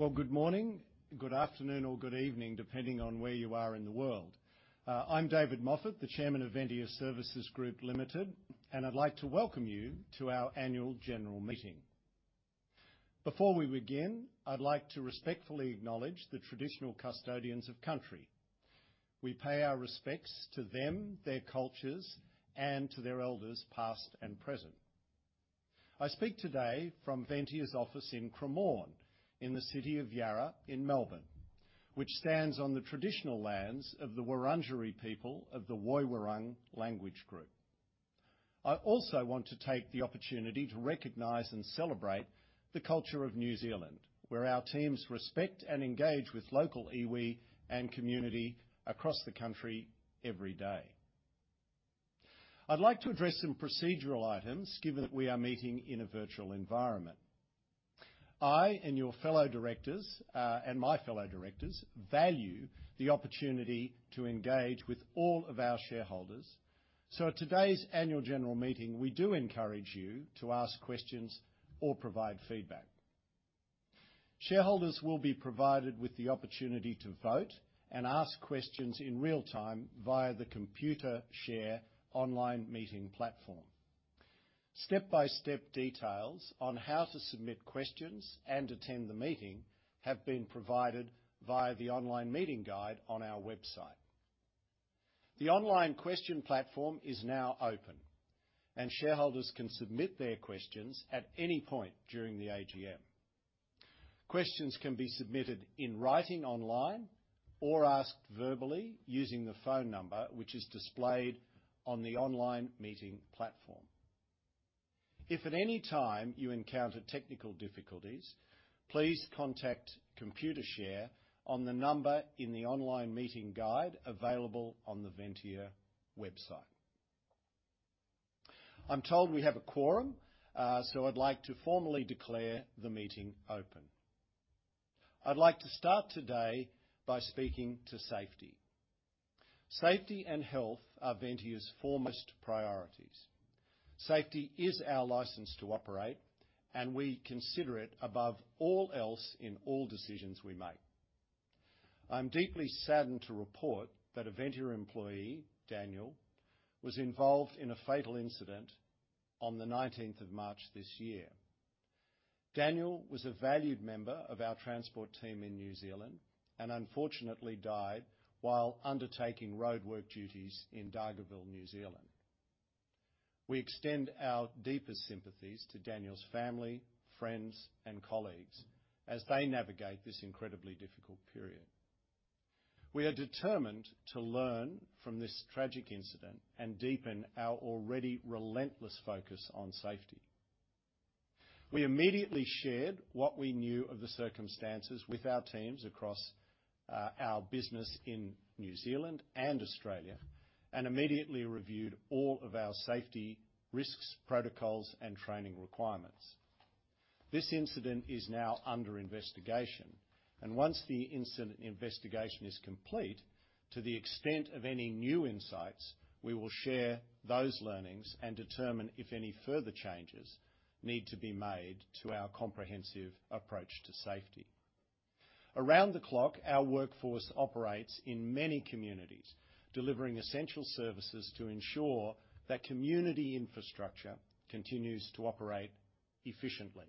Well, good morning, good afternoon, or good evening, depending on where you are in the world. I'm David Moffatt, the Chairman of Ventia Services Group Limited, and I'd like to welcome you to our annual general meeting. Before we begin, I'd like to respectfully acknowledge the traditional custodians of country. We pay our respects to them, their cultures, and to their elders, past and present. I speak today from Ventia's office in Cremorne, in the City of Yarra, in Melbourne, which stands on the traditional lands of the Wurundjeri people of the Woiwurrung language group. I also want to take the opportunity to recognize and celebrate the culture of New Zealand, where our teams respect and engage with local iwi and community across the country every day. I'd like to address some procedural items, given that we are meeting in a virtual environment. I and your fellow directors, and my fellow directors, value the opportunity to engage with all of our shareholders. So at today's annual general meeting, we do encourage you to ask questions or provide feedback. Shareholders will be provided with the opportunity to vote and ask questions in real time via the Computershare online meeting platform. Step-by-step details on how to submit questions and attend the meeting have been provided via the online meeting guide on our website. The online question platform is now open, and shareholders can submit their questions at any point during the AGM. Questions can be submitted in writing online or asked verbally using the phone number, which is displayed on the online meeting platform. If at any time you encounter technical difficulties, please contact Computershare on the number in the online meeting guide available on the Ventia website. I'm told we have a quorum, so I'd like to formally declare the meeting open. I'd like to start today by speaking to safety. Safety and health are Ventia's foremost priorities. Safety is our license to operate, and we consider it above all else in all decisions we make. I'm deeply saddened to report that a Ventia employee, Daniel, was involved in a fatal incident on the nineteenth of March this year. Daniel was a valued member of our transport team in New Zealand and unfortunately died while undertaking roadwork duties in Dargaville, New Zealand. We extend our deepest sympathies to Daniel's family, friends, and colleagues as they navigate this incredibly difficult period. We are determined to learn from this tragic incident and deepen our already relentless focus on safety. We immediately shared what we knew of the circumstances with our teams across our business in New Zealand and Australia, and immediately reviewed all of our safety risks, protocols, and training requirements. This incident is now under investigation, and once the incident investigation is complete, to the extent of any new insights, we will share those learnings and determine if any further changes need to be made to our comprehensive approach to safety. Around the clock, our workforce operates in many communities, delivering essential services to ensure that community infrastructure continues to operate efficiently.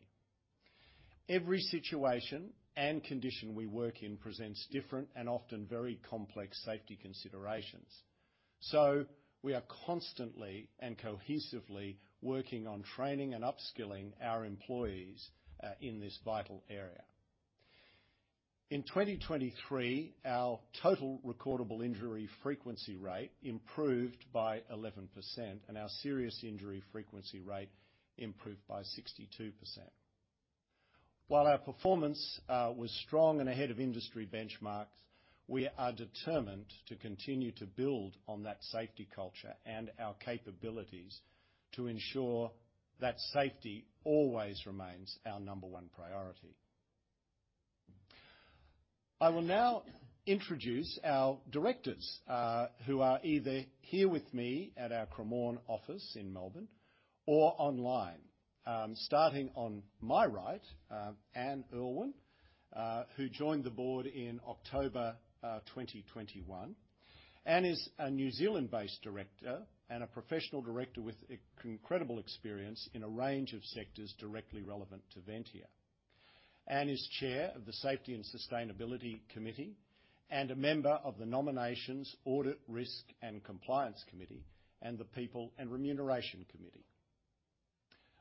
Every situation and condition we work in presents different and often very complex safety considerations, so we are constantly and cohesively working on training and upskilling our employees in this vital area. In 2023, our total recordable injury frequency rate improved by 11%, and our serious injury frequency rate improved by 62%. While our performance was strong and ahead of industry benchmarks, we are determined to continue to build on that safety culture and our capabilities to ensure that safety always remains our number one priority. I will now introduce our directors, who are either here with me at our Cremorne office in Melbourne or online. Starting on my right, Anne Urlwin, who joined the board in October 2021. Anne is a New Zealand-based director and a professional director with incredible experience in a range of sectors directly relevant to Ventia. Anne is Chair of the Safety and Sustainability Committee and a member of the Nominations, Audit, Risk and Compliance Committee, and the People and Remuneration Committee.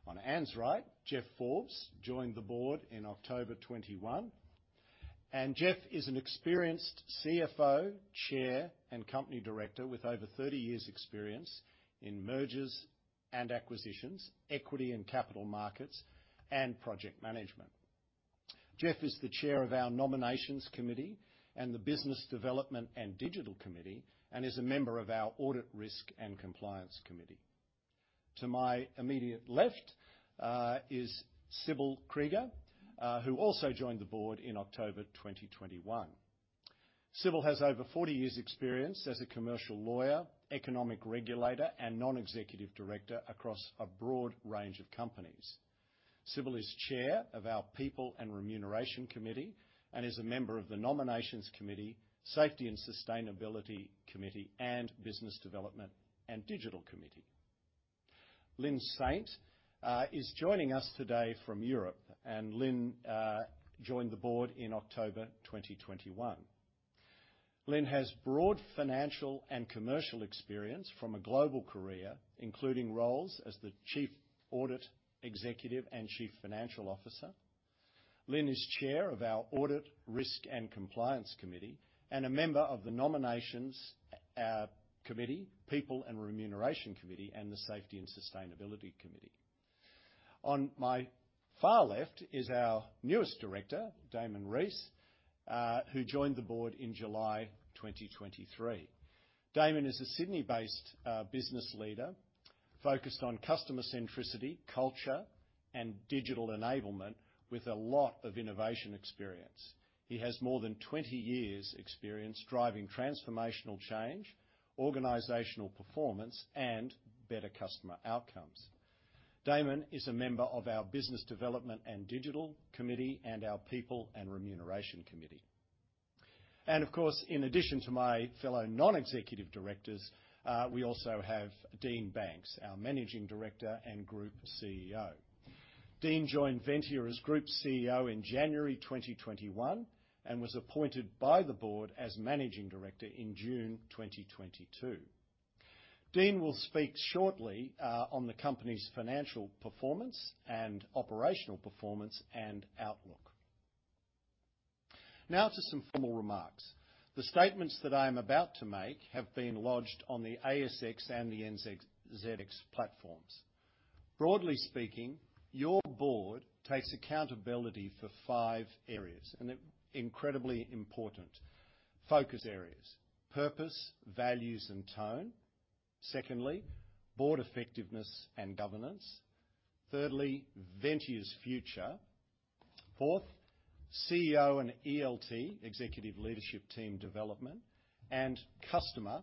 On Anne's right, Jeff Forbes joined the board in October 2021, and Jeff is an experienced CFO, chair, and company director with over 30 years' experience in mergers and acquisitions, equity and capital markets, and project management. Jeff is the chair of our Nominations Committee and the Business Development and Digital Committee, and is a member of our Audit, Risk and Compliance Committee. To my immediate left is Sibylle Krieger, who also joined the board in October 2021. Sibylle has over 40 years' experience as a commercial lawyer, economic regulator, and non-executive director across a broad range of companies. Sibylle is chair of our People and Remuneration Committee, and is a member of the Nominations Committee, Safety and Sustainability Committee, and Business Development and Digital Committee. Lynne Saint is joining us today from Europe, and Lynne joined the board in October 2021. Lynne has broad financial and commercial experience from a global career, including roles as the Chief Audit Executive and Chief Financial Officer. Lynne is Chair of our Audit, Risk, and Compliance Committee, and a member of the Nominations Committee, People and Remuneration Committee, and the Safety and Sustainability Committee. On my far left is our newest director, Damon Rees, who joined the board in July 2023. Damon is a Sydney-based business leader focused on customer centricity, culture, and digital enablement, with a lot of innovation experience. He has more than 20 years' experience driving transformational change, organizational performance, and better customer outcomes. Damon is a member of our Business Development and Digital Committee and our People and Remuneration Committee. Of course, in addition to my fellow non-executive directors, we also have Dean Banks, our Managing Director and Group CEO. Dean joined Ventia as Group CEO in January 2021, and was appointed by the board as Managing Director in June 2022. Dean will speak shortly on the company's financial performance and operational performance and outlook. Now to some formal remarks. The statements that I am about to make have been lodged on the ASX and the NZX platforms. Broadly speaking, your board takes accountability for five areas, and they're incredibly important focus areas: purpose, values, and tone. Secondly, board effectiveness and governance. Thirdly, Ventia's future. Fourth, CEO and ELT, executive leadership team development, and customer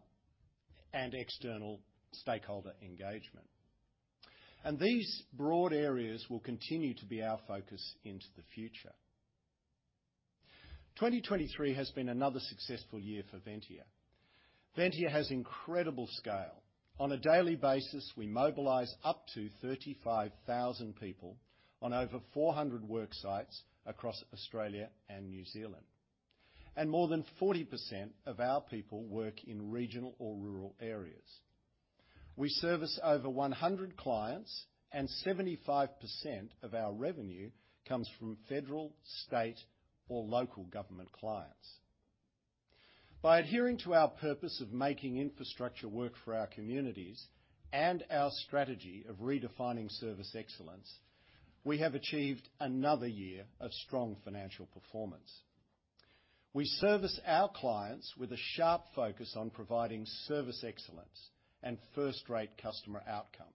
and external stakeholder engagement. These broad areas will continue to be our focus into the future. 2023 has been another successful year for Ventia. Ventia has incredible scale. On a daily basis, we mobilize up to 35,000 people on over 400 work sites across Australia and New Zealand, and more than 40% of our people work in regional or rural areas. We service over 100 clients, and 75% of our revenue comes from federal, state, or local government clients. By adhering to our purpose of making infrastructure work for our communities and our strategy of redefining service excellence, we have achieved another year of strong financial performance. We service our clients with a sharp focus on providing service excellence and first-rate customer outcomes.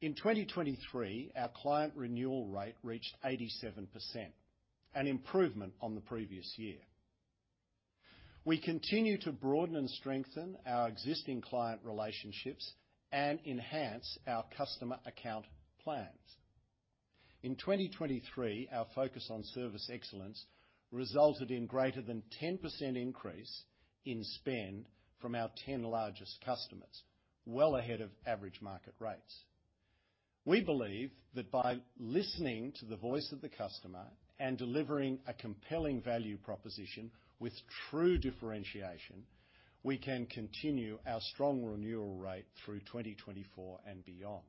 In 2023, our client renewal rate reached 87%, an improvement on the previous year. We continue to broaden and strengthen our existing client relationships and enhance our customer account plans. In 2023, our focus on service excellence resulted in greater than 10% increase in spend from our 10 largest customers, well ahead of average market rates. We believe that by listening to the Voice of the Customer and delivering a compelling value proposition with true differentiation, we can continue our strong renewal rate through 2024 and beyond.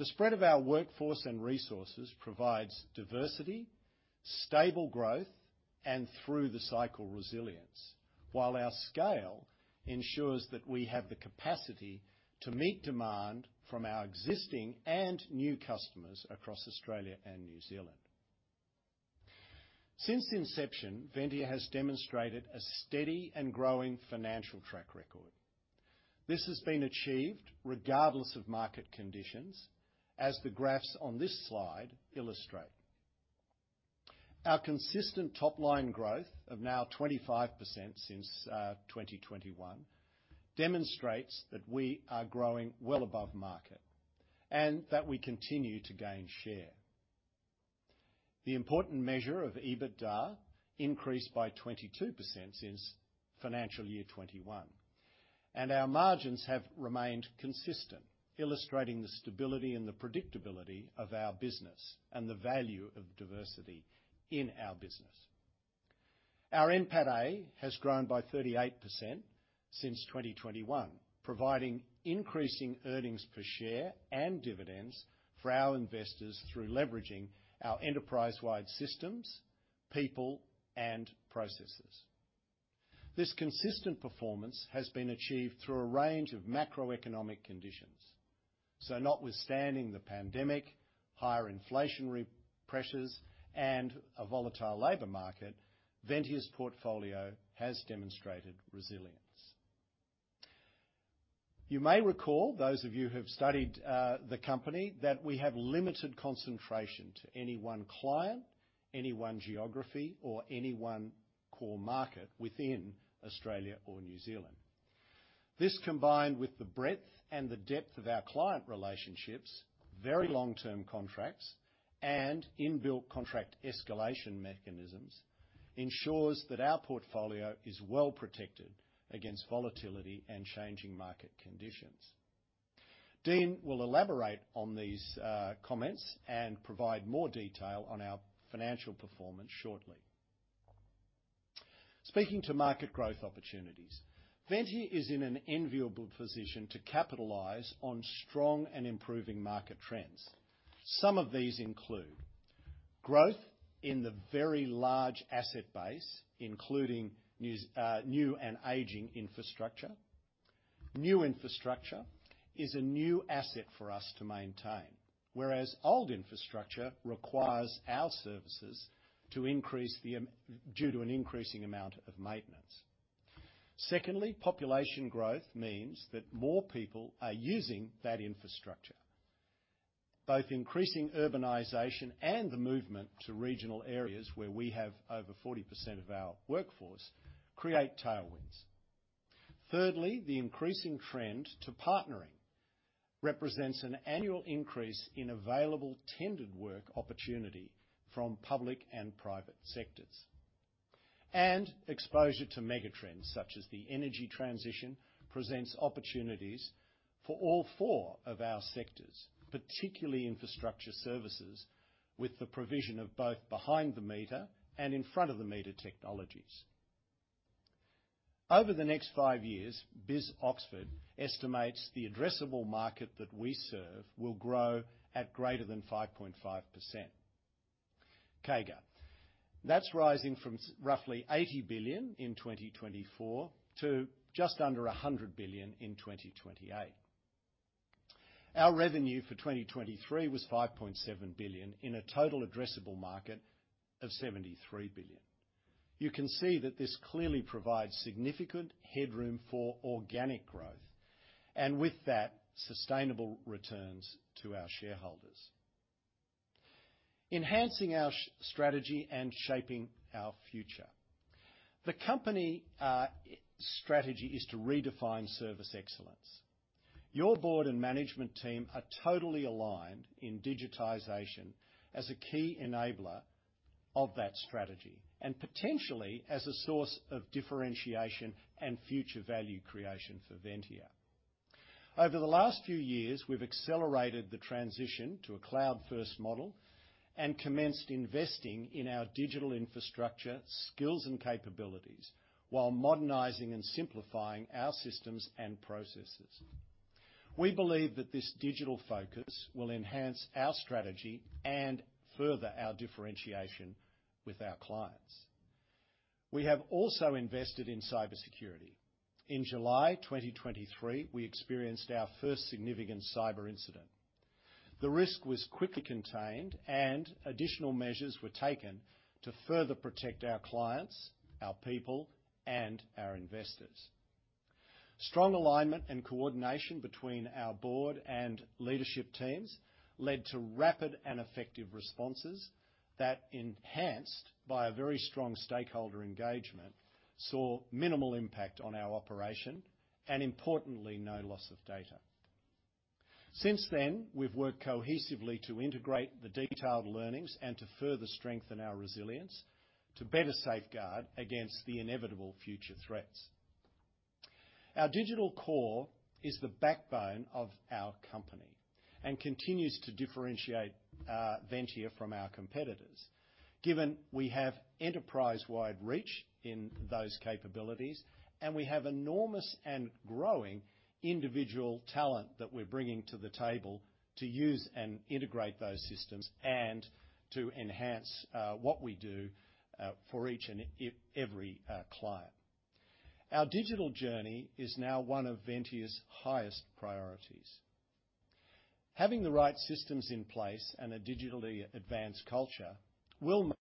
The spread of our workforce and resources provides diversity, stable growth, and through the cycle, resilience, while our scale ensures that we have the capacity to meet demand from our existing and new customers across Australia and New Zealand. Since inception, Ventia has demonstrated a steady and growing financial track record. This has been achieved regardless of market conditions, as the graphs on this slide illustrate. Our consistent top-line growth of now 25% since 2021 demonstrates that we are growing well above market and that we continue to gain share. The important measure of EBITDA increased by 22% since financial year 2021, and our margins have remained consistent, illustrating the stability and the predictability of our business and the value of diversity in our business. Our NPATA has grown by 38% since 2021, providing increasing earnings per share and dividends for our investors through leveraging our enterprise-wide systems, people, and processes. This consistent performance has been achieved through a range of macroeconomic conditions. Notwithstanding the pandemic, higher inflationary pressures, and a volatile labor market, Ventia's portfolio has demonstrated resilience. You may recall, those of you who have studied the company, that we have limited concentration to any one client, any one geography, or any one core market within Australia or New Zealand. This, combined with the breadth and the depth of our client relationships, very long-term contracts, and inbuilt contract escalation mechanisms, ensures that our portfolio is well protected against volatility and changing market conditions. Dean will elaborate on these comments and provide more detail on our financial performance shortly. Speaking to market growth opportunities, Ventia is in an enviable position to capitalize on strong and improving market trends. Some of these include growth in the very large asset base, including new and aging infrastructure. New infrastructure is a new asset for us to maintain, whereas old infrastructure requires our services to increase due to an increasing amount of maintenance. Secondly, population growth means that more people are using that infrastructure. Both increasing urbanization and the movement to regional areas, where we have over 40% of our workforce, create tailwinds. Thirdly, the increasing trend to partnering represents an annual increase in available tendered work opportunity from public and private sectors. And exposure to mega trends, such as the energy transition, presents opportunities for all four of our sectors, particularly infrastructure services, with the provision of both behind the meter and in front of the meter technologies. Over the next five years, BIS Oxford estimates the addressable market that we serve will grow at greater than 5.5% CAGR. That's rising from roughly 80 billion in 2024 to just under 100 billion in 2028. Our revenue for 2023 was 5.7 billion in a total addressable market of 73 billion. You can see that this clearly provides significant headroom for organic growth, and with that, sustainable returns to our shareholders. Enhancing our strategy and shaping our future. The company strategy is to redefine service excellence. Your board and management team are totally aligned in digitization as a key enabler of that strategy, and potentially as a source of differentiation and future value creation for Ventia. Over the last few years, we've accelerated the transition to a cloud-first model and commenced investing in our digital infrastructure, skills, and capabilities while modernizing and simplifying our systems and processes. We believe that this digital focus will enhance our strategy and further our differentiation with our clients. We have also invested in cybersecurity. In July 2023, we experienced our first significant cyber incident. The risk was quickly contained, and additional measures were taken to further protect our clients, our people, and our investors. Strong alignment and coordination between our board and leadership teams led to rapid and effective responses that, enhanced by a very strong stakeholder engagement, saw minimal impact on our operation and, importantly, no loss of data. Since then, we've worked cohesively to integrate the detailed learnings and to further strengthen our resilience to better safeguard against the inevitable future threats. Our digital core is the backbone of our company and continues to differentiate Ventia from our competitors. Given we have enterprise-wide reach in those capabilities, and we have enormous and growing individual talent that we're bringing to the table to use and integrate those systems and to enhance what we do for each and every client. Our digital journey is now one of Ventia's highest priorities. Having the right systems in place and a digitally advanced culture will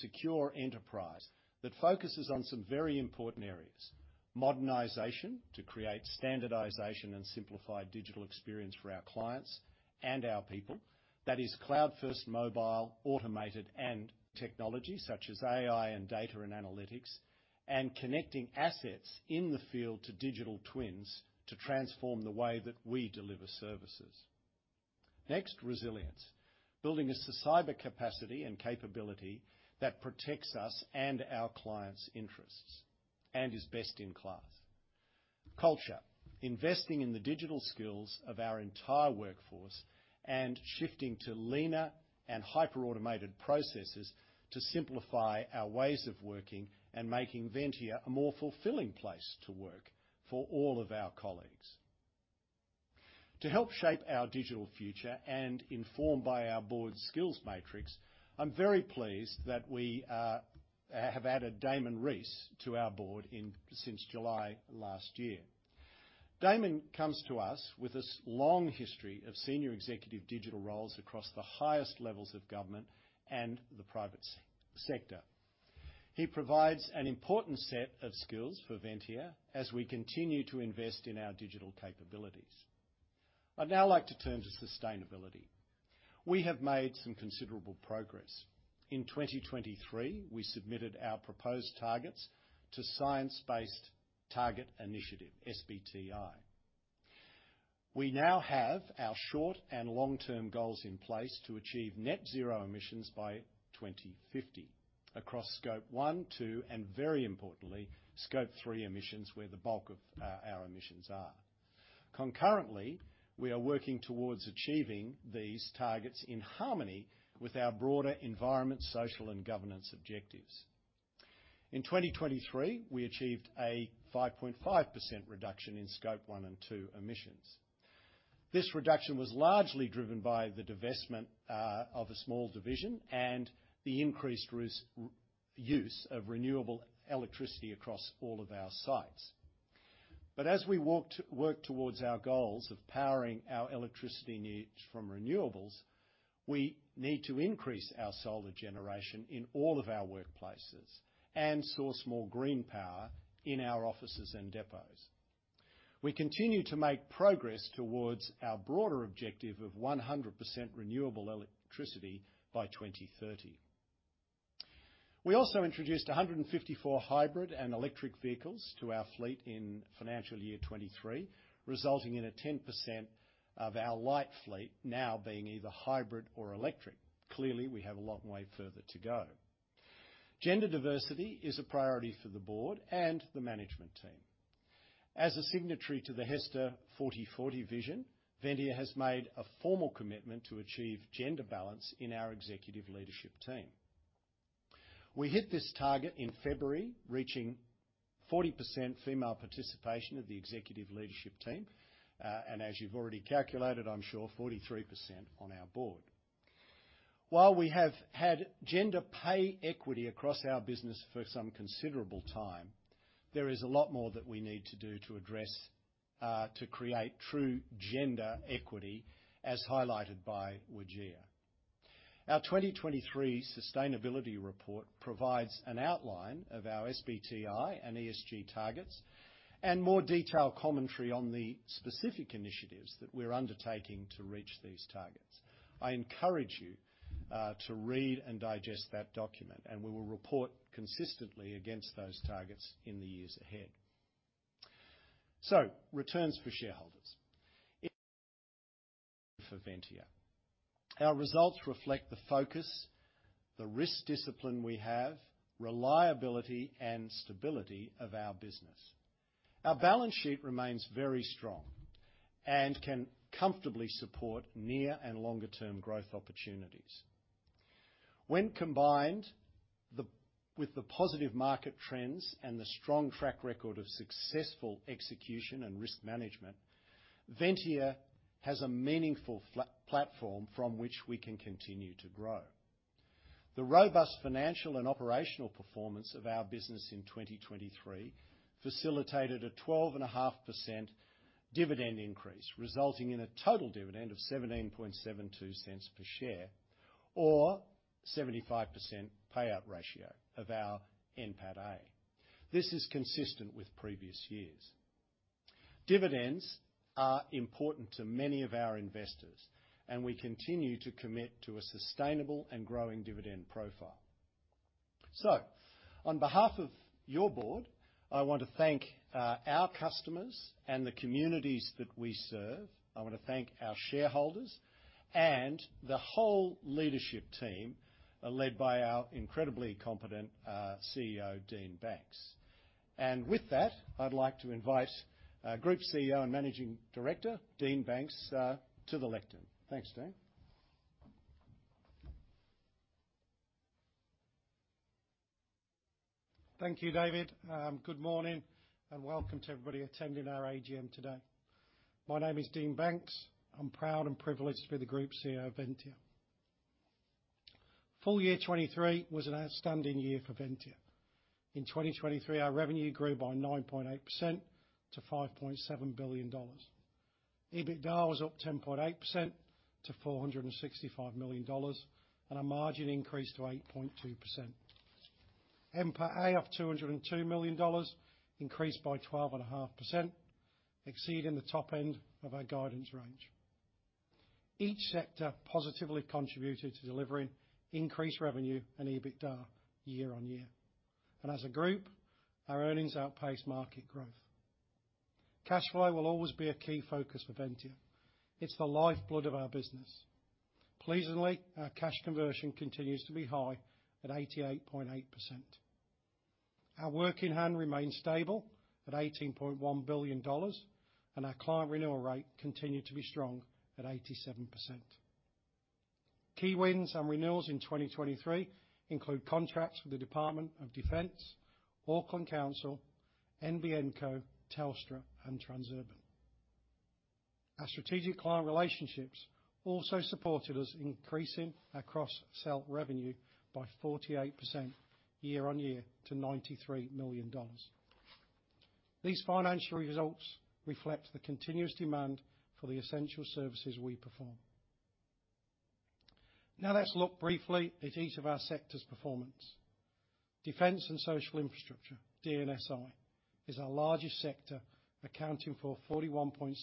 secure enterprise that focuses on some very important areas. Modernization, to create standardization and simplified digital experience for our clients and our people. That is cloud-first, mobile, automated, and technology such as AI and data and analytics, and connecting assets in the field to digital twins to transform the way that we deliver services. Next, resilience. Building us the cyber capacity and capability that protects us and our clients' interests and is best in class. Culture, investing in the digital skills of our entire workforce and shifting to leaner and hyper-automated processes to simplify our ways of working and making Ventia a more fulfilling place to work for all of our colleagues.... To help shape our digital future and informed by our board's skills matrix, I'm very pleased that we have added Damon Rees to our board since July last year. Damon comes to us with a long history of senior executive digital roles across the highest levels of government and the private sector. He provides an important set of skills for Ventia as we continue to invest in our digital capabilities. I'd now like to turn to sustainability. We have made some considerable progress. In 2023, we submitted our proposed targets to Science Based Targets initiative, SBTI. We now have our short- and long-term goals in place to achieve net zero emissions by 2050, across Scope 1, 2, and very importantly, Scope 3 emissions, where the bulk of our emissions are. Concurrently, we are working towards achieving these targets in harmony with our broader environment, social, and governance objectives. In 2023, we achieved a 5.5% reduction in Scope 1 and 2 emissions. This reduction was largely driven by the divestment of a small division and the increased use of renewable electricity across all of our sites. But as we work towards our goals of powering our electricity needs from renewables, we need to increase our solar generation in all of our workplaces and source more green power in our offices and depots. We continue to make progress towards our broader objective of 100% renewable electricity by 2030. We also introduced 154 hybrid and electric vehicles to our fleet in financial year 2023, resulting in 10% of our light fleet now being either hybrid or electric. Clearly, we have a long way further to go. Gender diversity is a priority for the board and the management team. As a signatory to the HESTA 40:40 Vision, Ventia has made a formal commitment to achieve gender balance in our executive leadership team. We hit this target in February, reaching 40% female participation of the executive leadership team, and as you've already calculated, I'm sure, 43% on our board. While we have had gender pay equity across our business for some considerable time, there is a lot more that we need to do to address to create true gender equity, as highlighted by WGEA. Our 2023 sustainability report provides an outline of our SBTI and ESG targets, and more detailed commentary on the specific initiatives that we're undertaking to reach these targets. I encourage you to read and digest that document, and we will report consistently against those targets in the years ahead. So returns for shareholders. For Ventia, our results reflect the focus, the risk discipline we have, reliability, and stability of our business. Our balance sheet remains very strong and can comfortably support near and longer-term growth opportunities. When combined with the positive market trends and the strong track record of successful execution and risk management, Ventia has a meaningful platform from which we can continue to grow. The robust financial and operational performance of our business in 2023 facilitated a 12.5% dividend increase, resulting in a total dividend of 0.1772 per share or 75% payout ratio of our NPATA. This is consistent with previous years. Dividends are important to many of our investors, and we continue to commit to a sustainable and growing dividend profile. So on behalf of your board, I want to thank, our customers and the communities that we serve. I want to thank our shareholders and the whole leadership team, led by our incredibly competent, CEO, Dean Banks. And with that, I'd like to invite our Group CEO and Managing Director, Dean Banks, to the lectern. Thanks, Dean. Thank you, David. Good morning, and welcome to everybody attending our AGM today. My name is Dean Banks. I'm proud and privileged to be the Group CEO of Ventia. Full year 2023 was an outstanding year for Ventia. In 2023, our revenue grew by 9.8% to 5.7 billion dollars. EBITDA was up 10.8% to 465 million dollars, and our margin increased to 8.2%. NPATA of 202 million dollars, increased by 12.5%, exceeding the top end of our guidance range. Each sector positively contributed to delivering increased revenue and EBITDA year-on-year, and as a group, our earnings outpaced market growth. Cash flow will always be a key focus for Ventia. It's the lifeblood of our business. Pleasingly, our cash conversion continues to be high at 88.8%. Our work in hand remains stable at 18.1 billion dollars, and our client renewal rate continued to be strong at 87%.... Key wins and renewals in 2023 include contracts with the Department of Defence, Auckland Council, NBN Co, Telstra, and Transurban. Our strategic client relationships also supported us in increasing our cross-sell revenue by 48% year-on-year to 93 million dollars. These financial results reflect the continuous demand for the essential services we perform. Now, let's look briefly at each of our sectors' performance. Defence and Social Infrastructure, D&SI, is our largest sector, accounting for 41.6%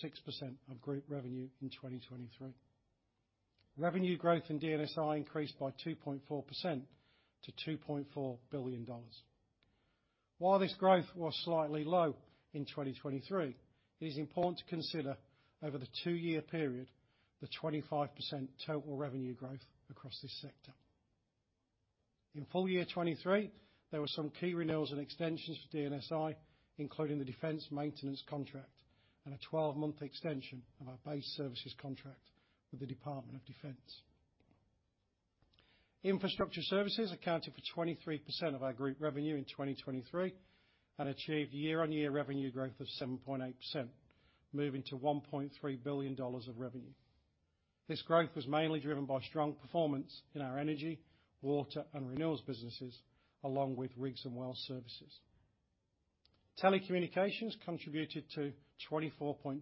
of group revenue in 2023. Revenue growth in D&SI increased by 2.4% to 2.4 billion dollars. While this growth was slightly low in 2023, it is important to consider over the 2-year period, the 25% total revenue growth across this sector. In full year 2023, there were some key renewals and extensions for D&SI, including the Defence Maintenance contract and a 12-month extension of our base services contract with the Department of Defence. Infrastructure services accounted for 23% of our group revenue in 2023, and achieved year-on-year revenue growth of 7.8%, moving to 1.3 billion dollars of revenue. This growth was mainly driven by strong performance in our energy, water, and renewals businesses, along with rigs and well services. Telecommunications contributed to 24.2%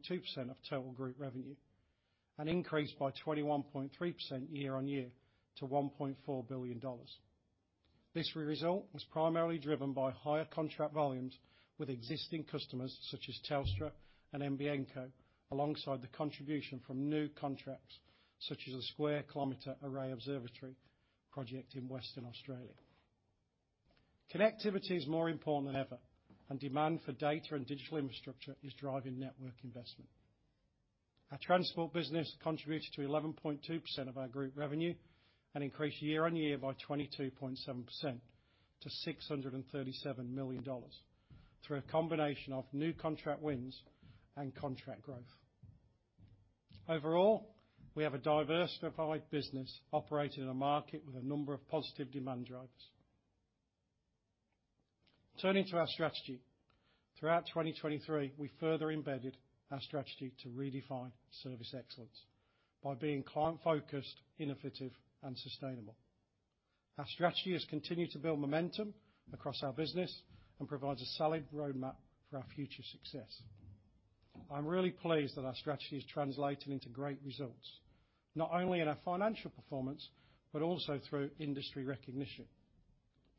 of total group revenue, and increased by 21.3% year-on-year to 1.4 billion dollars. This result was primarily driven by higher contract volumes with existing customers such as Telstra and NBN Co, alongside the contribution from new contracts, such as a Square Kilometre Array Observatory project in Western Australia. Connectivity is more important than ever, and demand for data and digital infrastructure is driving network investment. Our transport business contributed to 11.2% of our group revenue, and increased year-on-year by 22.7% to 637 million dollars, through a combination of new contract wins and contract growth. Overall, we have a diversified business operating in a market with a number of positive demand drivers. Turning to our strategy. Throughout 2023, we further embedded our strategy to redefine service excellence by being client-focused, innovative, and sustainable. Our strategy has continued to build momentum across our business and provides a solid roadmap for our future success. I'm really pleased that our strategy is translating into great results, not only in our financial performance, but also through industry recognition.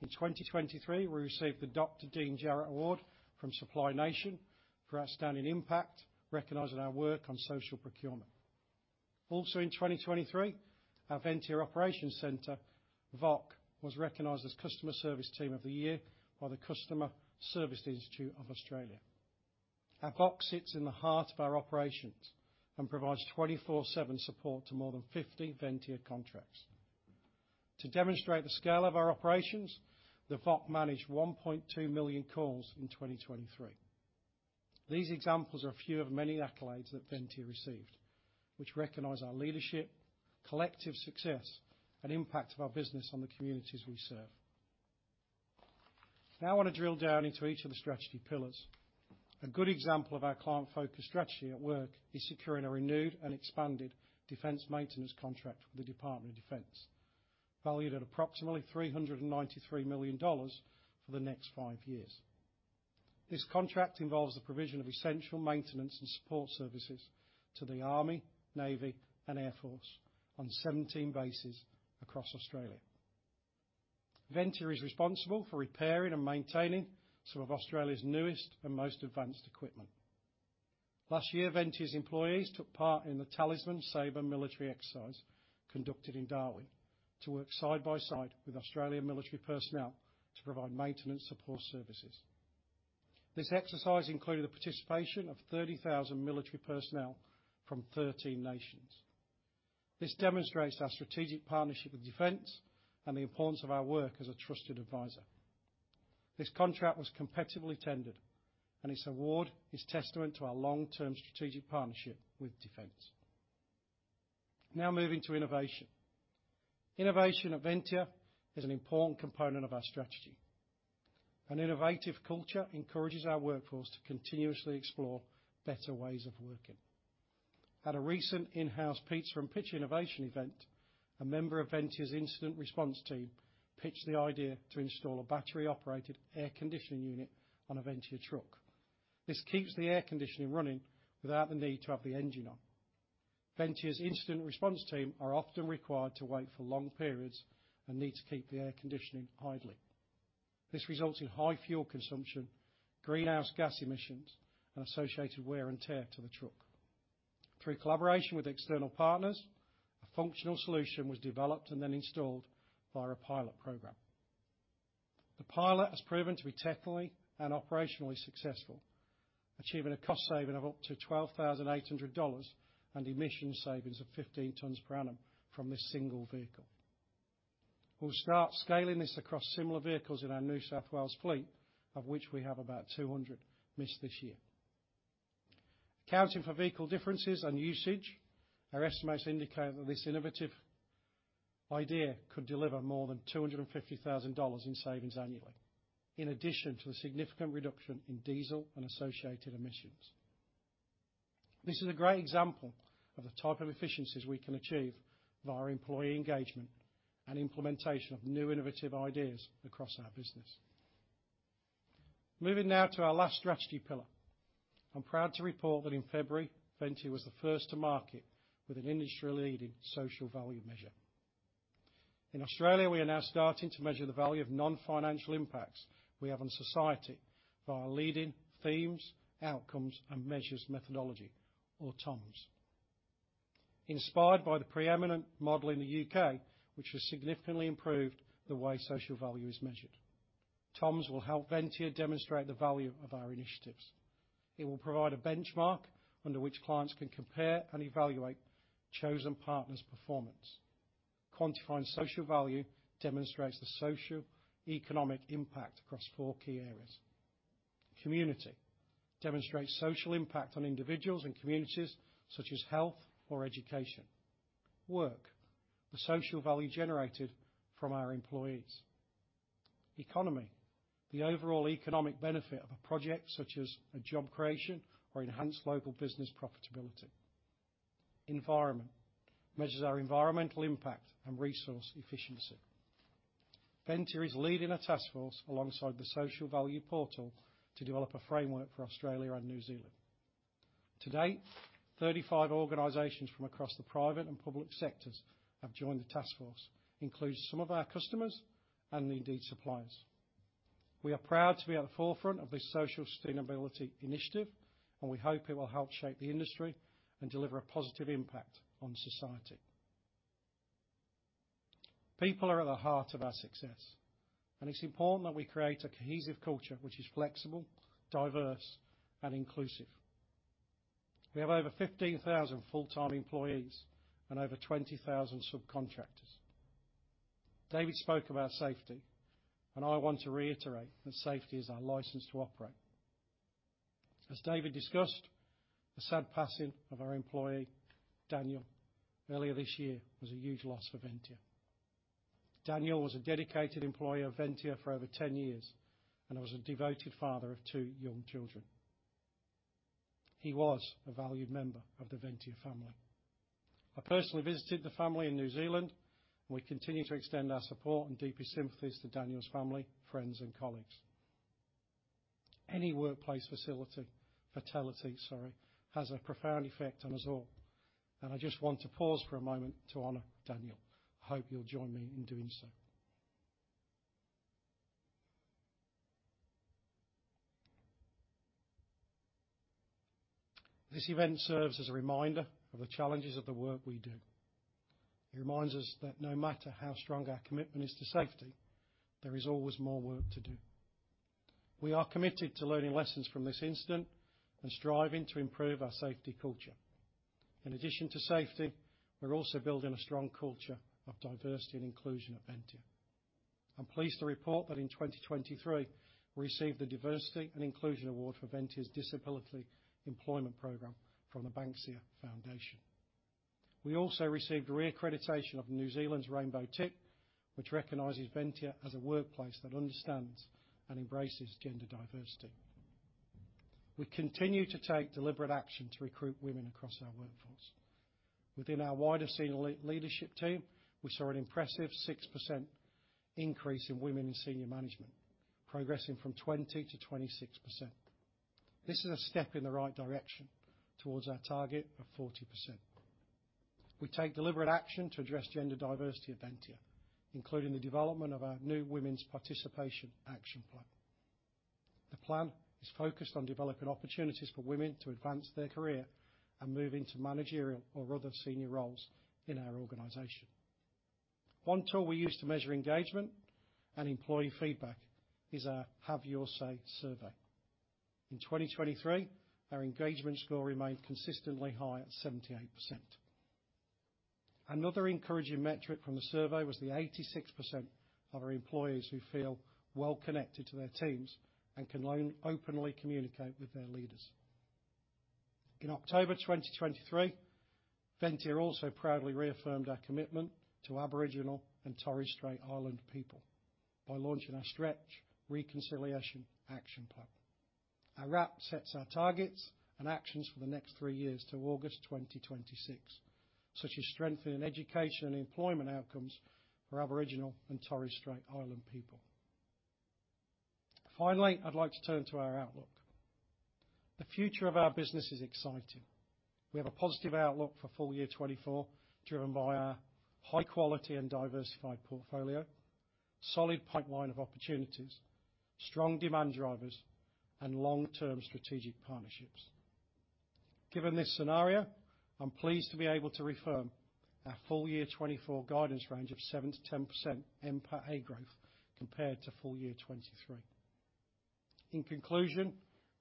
In 2023, we received the Dr Dean Jarrett Award from Supply Nation for Outstanding Impact, recognizing our work on social procurement. Also, in 2023, our Ventia Operations Centre, VOC, was recognized as Customer Service Team of the Year by the Customer Service Institute of Australia. Our VOC sits in the heart of our operations and provides 24/7 support to more than 50 Ventia contracts. To demonstrate the scale of our operations, the VOC managed 1.2 million calls in 2023. These examples are a few of many accolades that Ventia received, which recognize our leadership, collective success, and impact of our business on the communities we serve. Now, I want to drill down into each of the strategy pillars. A good example of our client-focused strategy at work is securing a renewed and expanded defence maintenance contract with the Department of Defence, valued at approximately 393 million dollars for the next 5 years. This contract involves the provision of essential maintenance and support services to the Army, Navy, and Air Force on 17 bases across Australia. Ventia is responsible for repairing and maintaining some of Australia's newest and most advanced equipment. Last year, Ventia's employees took part in the Talisman Sabre military exercise, conducted in Darwin, to work side by side with Australian military personnel to provide maintenance support services. This exercise included the participation of 30,000 military personnel from 13 nations. This demonstrates our strategic partnership with Defence and the importance of our work as a trusted advisor. This contract was competitively tendered, and its award is testament to our long-term strategic partnership with Defence. Now, moving to innovation. Innovation at Ventia is an important component of our strategy. An innovative culture encourages our workforce to continuously explore better ways of working. At a recent in-house Pizza and Pitch innovation event, a member of Ventia's Incident Response Team pitched the idea to install a battery-operated air conditioning unit on a Ventia truck. This keeps the air conditioning running without the need to have the engine on. Ventia's Incident Response Team are often required to wait for long periods and need to keep the air conditioning idling. This results in high fuel consumption, greenhouse gas emissions, and associated wear and tear to the truck. Through collaboration with external partners, a functional solution was developed and then installed via a pilot program. The pilot has proven to be technically and operationally successful, achieving a cost saving of up to 12,800 dollars, and emission savings of 15 tons per annum from this single vehicle. We'll start scaling this across similar vehicles in our New South Wales fleet, of which we have about 200, this year.... Accounting for vehicle differences and usage, our estimates indicate that this innovative idea could deliver more than 250,000 dollars in savings annually, in addition to the significant reduction in diesel and associated emissions. This is a great example of the type of efficiencies we can achieve via employee engagement and implementation of new innovative ideas across our business. Moving now to our last strategy pillar. I'm proud to report that in February, Ventia was the first to market with an industry-leading social value measure. In Australia, we are now starting to measure the value of non-financial impacts we have on society via leading Themes, Outcomes, and Measures methodology, or TOMs. Inspired by the preeminent model in the UK, which has significantly improved the way social value is measured. TOMs will help Ventia demonstrate the value of our initiatives. It will provide a benchmark under which clients can compare and evaluate chosen partners' performance. Quantifying social value demonstrates the social economic impact across four key areas: community, demonstrates social impact on individuals and communities such as health or education. Work, the social value generated from our employees. Economy, the overall economic benefit of a project, such as a job creation or enhanced local business profitability. Environment, measures our environmental impact and resource efficiency. Ventia is leading a task force alongside the Social Value Portal to develop a framework for Australia and New Zealand. To date, 35 organizations from across the private and public sectors have joined the task force, includes some of our customers and indeed, suppliers. We are proud to be at the forefront of this social sustainability initiative, and we hope it will help shape the industry and deliver a positive impact on society. People are at the heart of our success, and it's important that we create a cohesive culture which is flexible, diverse, and inclusive. We have over 15,000 full-time employees and over 20,000 subcontractors. David spoke about safety, and I want to reiterate that safety is our license to operate. As David discussed, the sad passing of our employee, Daniel, earlier this year was a huge loss for Ventia. Daniel was a dedicated employee of Ventia for over 10 years, and he was a devoted father of 2 young children. He was a valued member of the Ventia family. I personally visited the family in New Zealand, and we continue to extend our support and deepest sympathies to Daniel's family, friends, and colleagues. Any workplace fatality, sorry, has a profound effect on us all, and I just want to pause for a moment to honor Daniel. I hope you'll join me in doing so. This event serves as a reminder of the challenges of the work we do. It reminds us that no matter how strong our commitment is to safety, there is always more work to do. We are committed to learning lessons from this incident and striving to improve our safety culture. In addition to safety, we're also building a strong culture of diversity and inclusion at Ventia. I'm pleased to report that in 2023, we received the Diversity and Inclusion Award for Ventia's Disability Employment Program from the Banksia Foundation. We also received a re-accreditation of New Zealand's Rainbow Tick, which recognizes Ventia as a workplace that understands and embraces gender diversity. We continue to take deliberate action to recruit women across our workforce. Within our wider senior leadership team, we saw an impressive 6% increase in women in senior management, progressing from 20%-26%. This is a step in the right direction towards our target of 40%. We take deliberate action to address gender diversity at Ventia, including the development of our new Women's Participation Action Plan. The plan is focused on developing opportunities for women to advance their career and move into managerial or other senior roles in our organization. One tool we use to measure engagement and employee feedback is our Have Your Say survey. In 2023, our engagement score remained consistently high at 78%. Another encouraging metric from the survey was the 86% of our employees who feel well connected to their teams and can learn openly communicate with their leaders. In October 2023, Ventia also proudly reaffirmed our commitment to Aboriginal and Torres Strait Islander people by launching our Stretch Reconciliation Action Plan. Our RAP sets our targets and actions for the next three years to August 2026, such as strengthening education and employment outcomes for Aboriginal and Torres Strait Islander people. Finally, I'd like to turn to our outlook. The future of our business is exciting. We have a positive outlook for full year 2024, driven by our high quality and diversified portfolio, solid pipeline of opportunities, strong demand drivers, and long-term strategic partnerships. Given this scenario, I'm pleased to be able to reaffirm our full year 2024 guidance range of 7%-10% NPATA growth compared to full year 2023. In conclusion,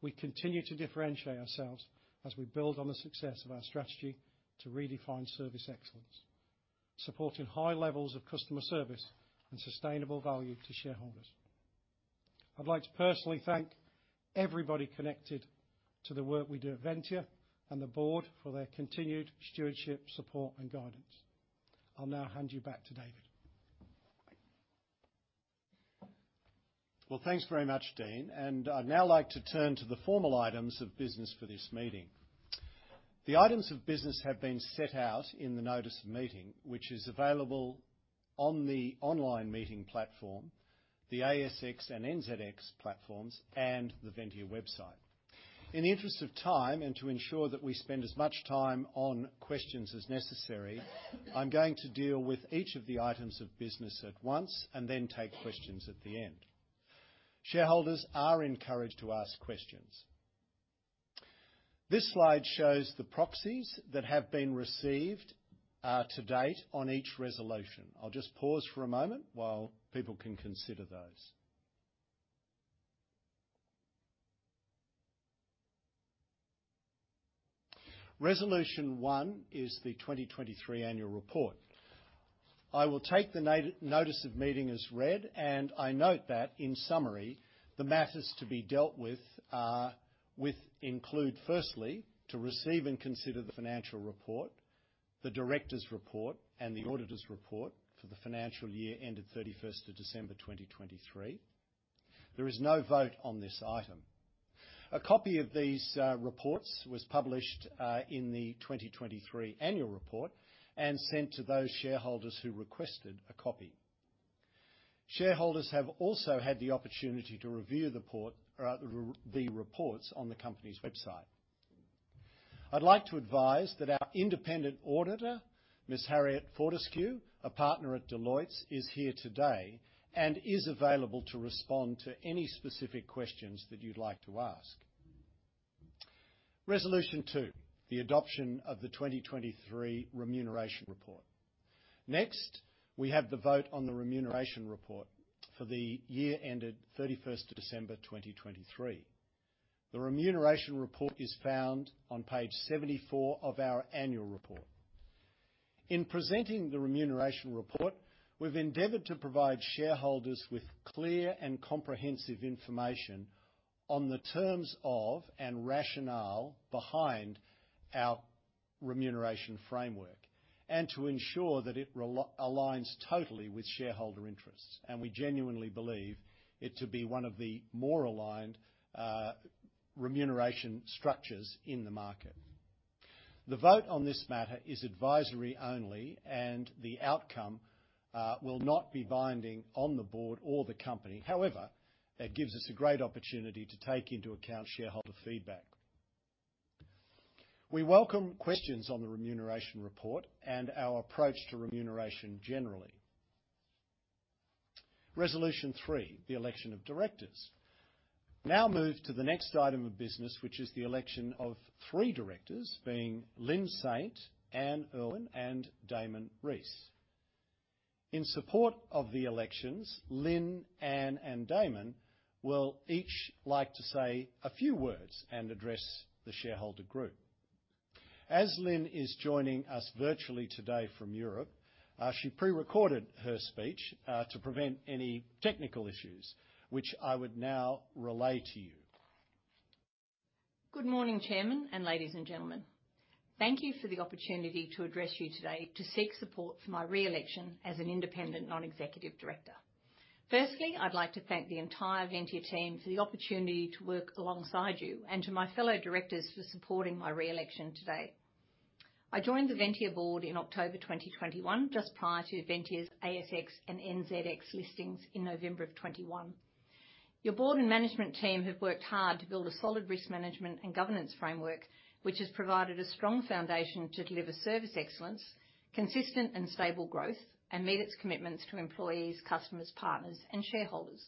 we continue to differentiate ourselves as we build on the success of our strategy to redefine service excellence, supporting high levels of customer service and sustainable value to shareholders.… I'd like to personally thank everybody connected to the work we do at Ventia and the board for their continued stewardship, support, and guidance. I'll now hand you back to David. Well, thanks very much, Dean, and I'd now like to turn to the formal items of business for this meeting. The items of business have been set out in the notice of meeting, which is available on the online meeting platform, the ASX and NZX platforms, and the Ventia website. In the interest of time, and to ensure that we spend as much time on questions as necessary, I'm going to deal with each of the items of business at once and then take questions at the end. Shareholders are encouraged to ask questions. This slide shows the proxies that have been received to date on each resolution. I'll just pause for a moment while people can consider those. Resolution one is the 2023 annual report. I will take the notice of meeting as read, and I note that, in summary, the matters to be dealt with include, firstly, to receive and consider the financial report, the director's report, and the auditor's report for the financial year ended 31st of December, 2023. There is no vote on this item. A copy of these reports was published in the 2023 annual report and sent to those shareholders who requested a copy. Shareholders have also had the opportunity to review the reports on the company's website. I'd like to advise that our independent auditor, Ms. Harriet Fortescue, a partner at Deloitte, is here today and is available to respond to any specific questions that you'd like to ask. Resolution 2, the adoption of the 2023 remuneration report. Next, we have the vote on the remuneration report for the year ended 31st of December, 2023. The remuneration report is found on page 74 of our annual report. In presenting the remuneration report, we've endeavored to provide shareholders with clear and comprehensive information on the terms of and rationale behind our remuneration framework and to ensure that it aligns totally with shareholder interests, and we genuinely believe it to be one of the more aligned remuneration structures in the market. The vote on this matter is advisory only, and the outcome will not be binding on the board or the company. However, it gives us a great opportunity to take into account shareholder feedback. We welcome questions on the remuneration report and our approach to remuneration generally. Resolution 3, the election of directors. We now move to the next item of business, which is the election of three directors, being Lynne Saint, Anne Urlwin, and Damon Rees. In support of the elections, Lynne, Anne, and Damon will each like to say a few words and address the shareholder group. As Lynne is joining us virtually today from Europe, she pre-recorded her speech to prevent any technical issues, which I would now relay to you. Good morning, Chairman, and ladies and gentlemen. Thank you for the opportunity to address you today to seek support for my re-election as an independent non-executive director. Firstly, I'd like to thank the entire Ventia team for the opportunity to work alongside you and to my fellow directors for supporting my re-election today. I joined the Ventia board in October 2021, just prior to Ventia's ASX and NZX listings in November 2021. Your board and management team have worked hard to build a solid risk management and governance framework, which has provided a strong foundation to deliver service excellence, consistent and stable growth, and meet its commitments to employees, customers, partners, and shareholders.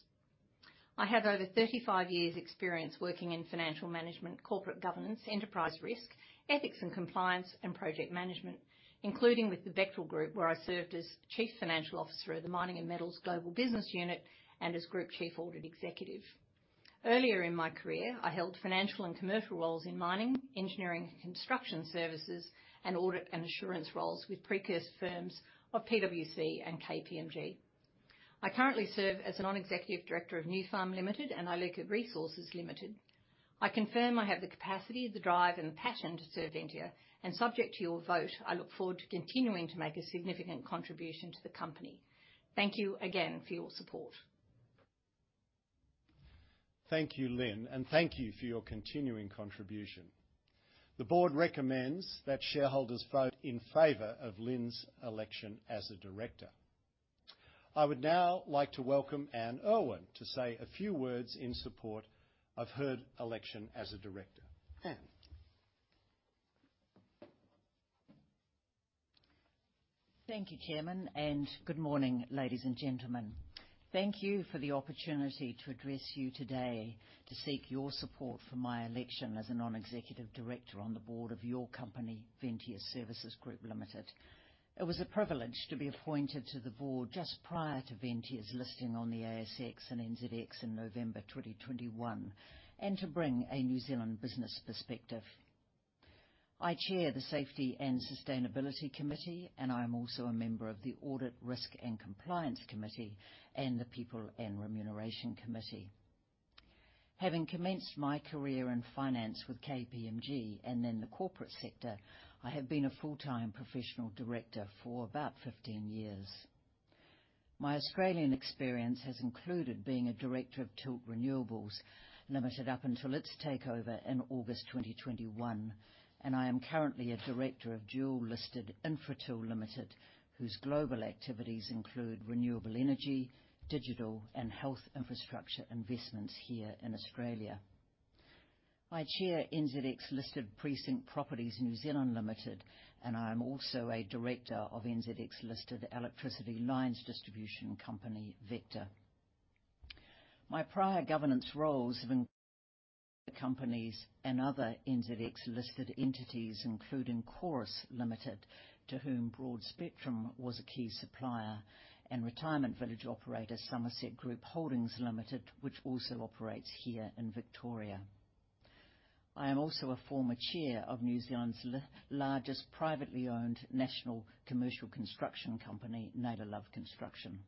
I have over 35 years' experience working in financial management, corporate governance, enterprise risk, ethics and compliance, and project management, including with the Bechtel Group, where I served as chief financial officer of the Mining and Metals Global Business unit and as Group chief audit executive. Earlier in my career, I held financial and commercial roles in mining, engineering, and construction services, and audit and assurance roles with precursor firms of PwC and KPMG. I currently serve as a non-executive director of Nufarm Limited and Iluka Resources Limited. I confirm I have the capacity, the drive, and the passion to serve Ventia, and subject to your vote, I look forward to continuing to make a significant contribution to the company. Thank you again for your support. Thank you, Lynne, and thank you for your continuing contribution. The board recommends that shareholders vote in favor of Lynne's election as a director. I would now like to welcome Anne Urlwin to say a few words in support of her election as a director. Anne? Thank you, Chairman, and good morning, ladies and gentlemen. Thank you for the opportunity to address you today to seek your support for my election as a non-executive director on the board of your company, Ventia Services Group Limited. It was a privilege to be appointed to the board just prior to Ventia's listing on the ASX and NZX in November 2021, and to bring a New Zealand business perspective.... I chair the Safety and Sustainability Committee, and I'm also a member of the Audit, Risk, and Compliance Committee and the People and Remuneration Committee. Having commenced my career in finance with KPMG and then the corporate sector, I have been a full-time professional director for about 15 years. My Australian experience has included being a director of Tilt Renewables Limited up until its takeover in August 2021, and I am currently a director of dual-listed Infratil Limited, whose global activities include renewable energy, digital, and health infrastructure investments here in Australia. I chair NZX-listed Precinct Properties New Zealand Limited, and I'm also a director of NZX-listed electricity lines distribution company, Vector. My prior governance roles have included companies and other NZX-listed entities, including Chorus Limited, to whom Broadspectrum was a key supplier, and retirement village operator Summerset Group Holdings Limited, which also operates here in Victoria. I am also a former chair of New Zealand's largest privately owned national commercial construction company, Naylor Love Construction.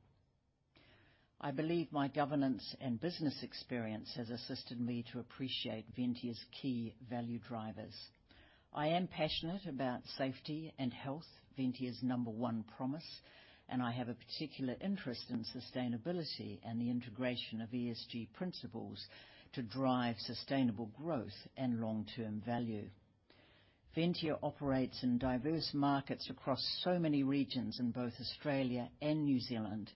I believe my governance and business experience has assisted me to appreciate Ventia's key value drivers. I am passionate about safety and health, Ventia's number one promise, and I have a particular interest in sustainability and the integration of ESG principles to drive sustainable growth and long-term value. Ventia operates in diverse markets across so many regions in both Australia and New Zealand,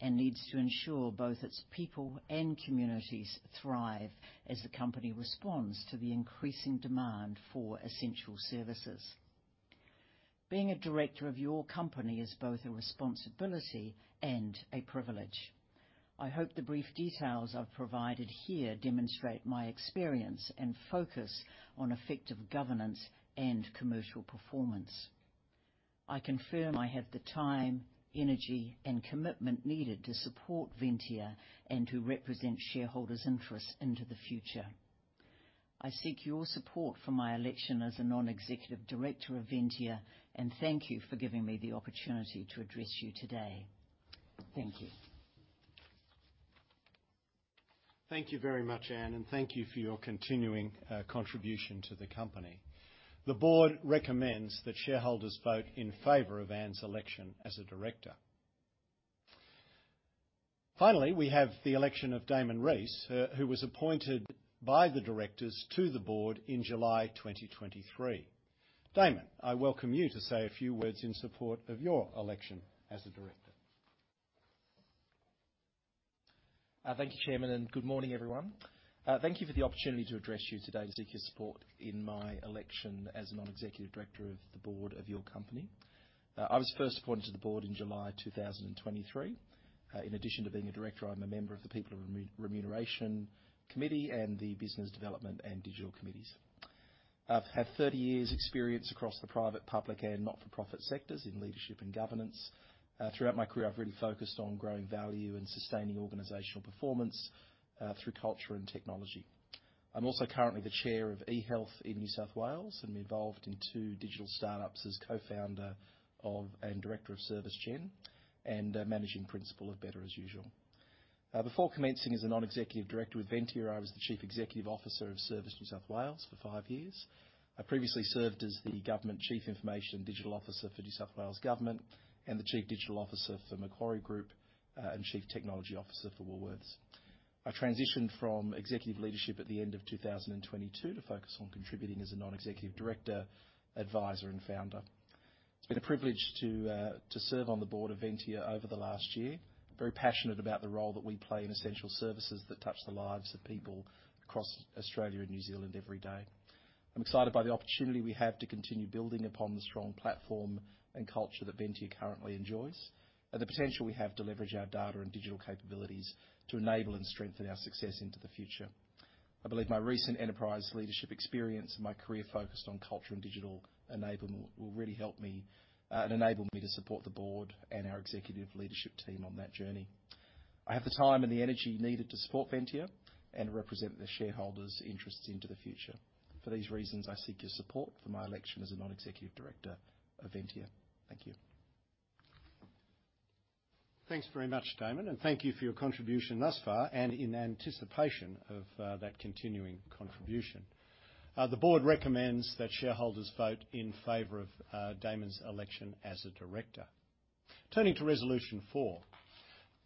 and needs to ensure both its people and communities thrive as the company responds to the increasing demand for essential services. Being a director of your company is both a responsibility and a privilege. I hope the brief details I've provided here demonstrate my experience and focus on effective governance and commercial performance. I confirm I have the time, energy, and commitment needed to support Ventia and to represent shareholders' interests into the future. I seek your support for my election as a non-executive director of Ventia, and thank you for giving me the opportunity to address you today. Thank you. Thank you very much, Anne, and thank you for your continuing contribution to the company. The board recommends that shareholders vote in favor of Anne's election as a director. Finally, we have the election of Damon Rees, who was appointed by the directors to the board in July 2023. Damon, I welcome you to say a few words in support of your election as a director. Thank you, Chairman, and good morning, everyone. Thank you for the opportunity to address you today to seek your support in my election as non-executive director of the board of your company. I was first appointed to the board in July 2023. In addition to being a director, I'm a member of the People and Remuneration Committee and the Business Development and Digital Committees. I've had 30 years' experience across the private, public, and not-for-profit sectors in leadership and governance. Throughout my career, I've really focused on growing value and sustaining organizational performance through culture and technology. I'm also currently the chair of eHealth in New South Wales, and involved in two digital startups as co-founder of and director of ServiceGen, and managing principal of Better As Usual. Before commencing as a non-executive director with Ventia, I was the chief executive officer of Service NSW for five years. I previously served as the government chief information and digital officer for New South Wales Government and the chief digital officer for Macquarie Group, and chief technology officer for Woolworths. I transitioned from executive leadership at the end of 2022 to focus on contributing as a non-executive director, advisor, and founder. It's been a privilege to serve on the board of Ventia over the last year. Very passionate about the role that we play in essential services that touch the lives of people across Australia and New Zealand every day. I'm excited by the opportunity we have to continue building upon the strong platform and culture that Ventia currently enjoys, and the potential we have to leverage our data and digital capabilities to enable and strengthen our success into the future. I believe my recent enterprise leadership experience and my career focused on culture and digital enablement will really help me and enable me to support the board and our executive leadership team on that journey. I have the time and the energy needed to support Ventia and represent the shareholders' interests into the future. For these reasons, I seek your support for my election as a non-executive director of Ventia. Thank you. Thanks very much, Damon, and thank you for your contribution thus far, and in anticipation of that continuing contribution. The board recommends that shareholders vote in favor of Damon's election as a director. Turning to Resolution Four,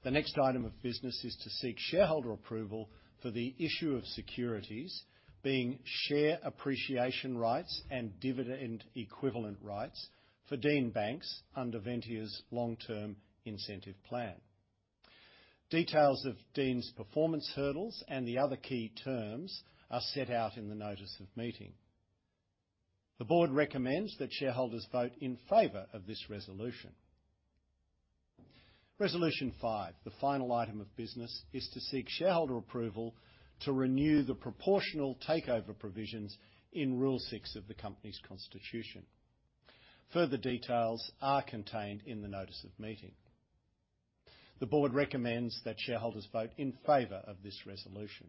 the next item of business is to seek shareholder approval for the issue of securities, being share appreciation rights and dividend equivalent rights for Dean Banks under Ventia's long-term incentive plan. Details of Dean's performance hurdles and the other key terms are set out in the notice of meeting. The board recommends that shareholders vote in favor of this resolution. Resolution Five, the final item of business, is to seek shareholder approval to renew the proportional takeover provisions in Rule Six of the company's constitution. Further details are contained in the notice of meeting. The board recommends that shareholders vote in favor of this resolution.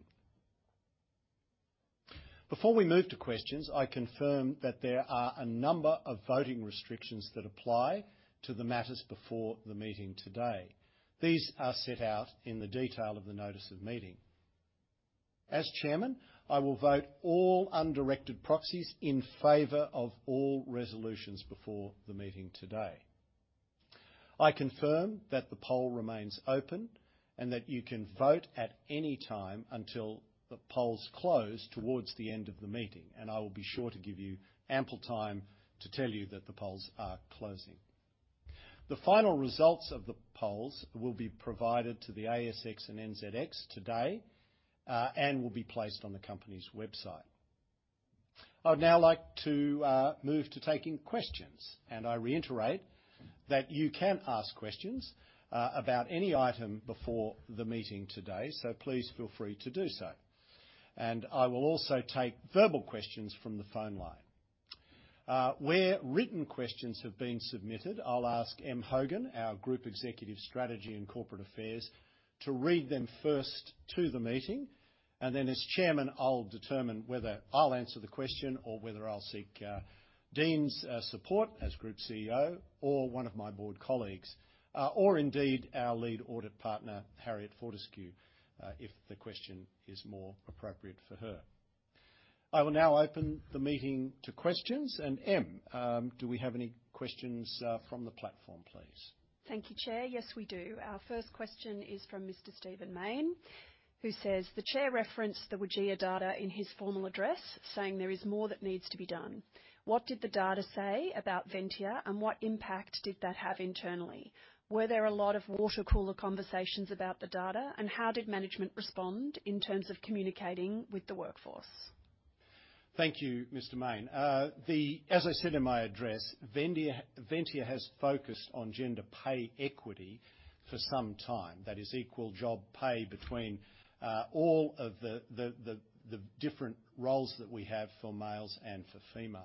Before we move to questions, I confirm that there are a number of voting restrictions that apply to the matters before the meeting today. These are set out in the detail of the notice of meeting. As Chairman, I will vote all undirected proxies in favor of all resolutions before the meeting today. I confirm that the poll remains open and that you can vote at any time until the polls close towards the end of the meeting, and I will be sure to give you ample time to tell you that the polls are closing. The final results of the polls will be provided to the ASX and NZX today, and will be placed on the company's website. I'd now like to move to taking questions, and I reiterate that you can ask questions about any item before the meeting today, so please feel free to do so. I will also take verbal questions from the phone line. Where written questions have been submitted, I'll ask Em Hogan, our Group Executive Strategy and Corporate Affairs, to read them first to the meeting, and then as chairman, I'll determine whether I'll answer the question or whether I'll seek Dean's support as Group CEO or one of my board colleagues, or indeed, our lead audit partner, Harriet Fortescue, if the question is more appropriate for her. I will now open the meeting to questions. Em, do we have any questions from the platform, please? Thank you, Chair. Yes, we do. Our first question is from Mr. Stephen Mayne, who says: "The Chair referenced the WGEA data in his formal address, saying there is more that needs to be done. What did the data say about Ventia, and what impact did that have internally? Were there a lot of watercooler conversations about the data, and how did management respond in terms of communicating with the workforce? Thank you, Mr. Mayne. As I said in my address, Ventia has focused on gender pay equity for some time. That is equal job pay between all of the different roles that we have for males and for females.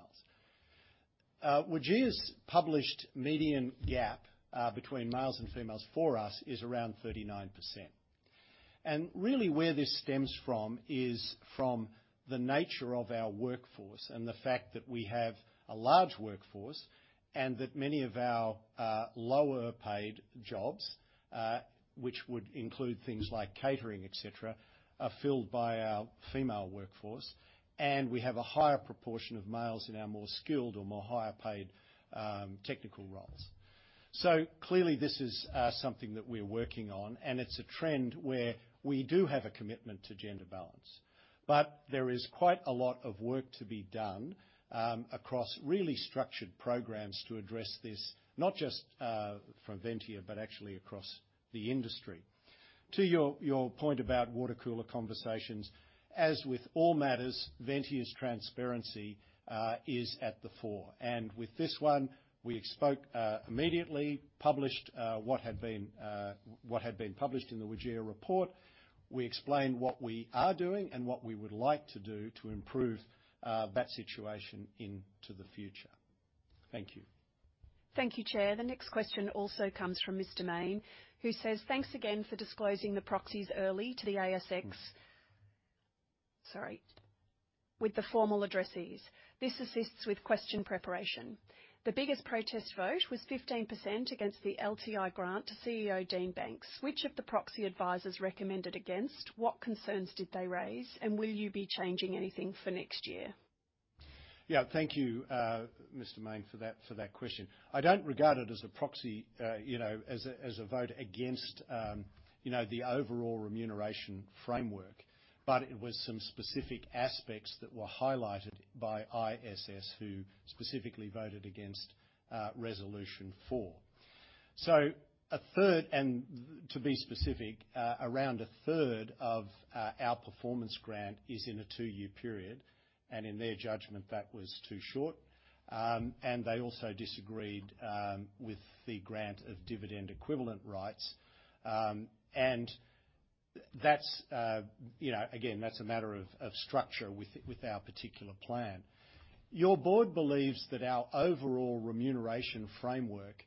WGEA's published median gap between males and females for us is around 39%. And really, where this stems from is from the nature of our workforce and the fact that we have a large workforce, and that many of our lower-paid jobs, which would include things like catering, et cetera, are filled by our female workforce. And we have a higher proportion of males in our more skilled or more higher-paid technical roles. So clearly, this is something that we're working on, and it's a trend where we do have a commitment to gender balance. But there is quite a lot of work to be done, across really structured programs to address this, not just from Ventia, but actually across the industry. To your point about watercooler conversations, as with all matters, Ventia's transparency is at the fore. And with this one, we spoke immediately, published what had been published in the WGEA report. We explained what we are doing and what we would like to do to improve that situation into the future. Thank you. Thank you, Chair. The next question also comes from Mr. Mayne, who says, "Thanks again for disclosing the proxies early to the ASX..." Sorry, with the formal addresses. This assists with question preparation. The biggest protest vote was 15% against the LTI grant to CEO Dean Banks. Which of the proxy advisors recommended against? What concerns did they raise, and will you be changing anything for next year? Yeah, thank you, Mr. Mayne, for that, for that question. I don't regard it as a proxy, you know, as a, as a vote against, you know, the overall remuneration framework, but it was some specific aspects that were highlighted by ISS, who specifically voted against, Resolution Four. So a third, and to be specific, around a third of, our performance grant is in a two-year period, and in their judgment, that was too short. And they also disagreed, with the grant of Dividend Equivalent Rights. And that's, you know, again, that's a matter of, of structure with, with our particular plan. Your board believes that our overall remuneration framework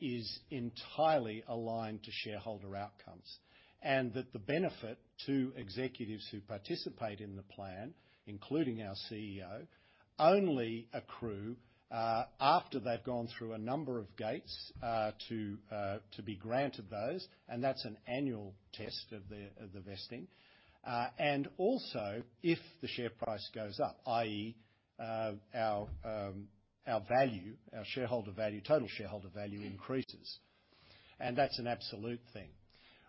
is entirely aligned to shareholder outcomes, and that the benefit to executives who participate in the plan, including our CEO, only accrue after they've gone through a number of gates to be granted those, and that's an annual test of the vesting. And also, if the share price goes up, i.e., our value, our shareholder value, total shareholder value increases, and that's an absolute thing.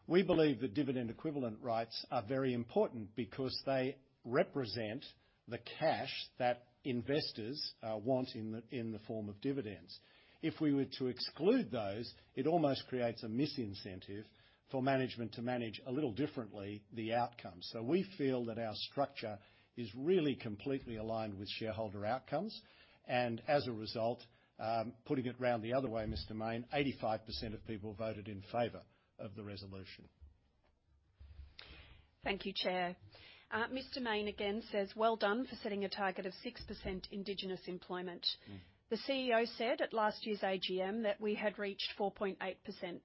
We believe that Dividend Equivalent Rights are very important because they represent the cash that investors want in the form of dividends. If we were to exclude those, it almost creates a disincentive for management to manage a little differently the outcome. We feel that our structure is really completely aligned with shareholder outcomes, and as a result, putting it around the other way, Mr. Mayne, 85% of people voted in favor of the resolution. ...Thank you, Chair. Mr. Mayne again says, "Well done for setting a target of 6% Indigenous employment. The CEO said at last year's AGM that we had reached 4.8%.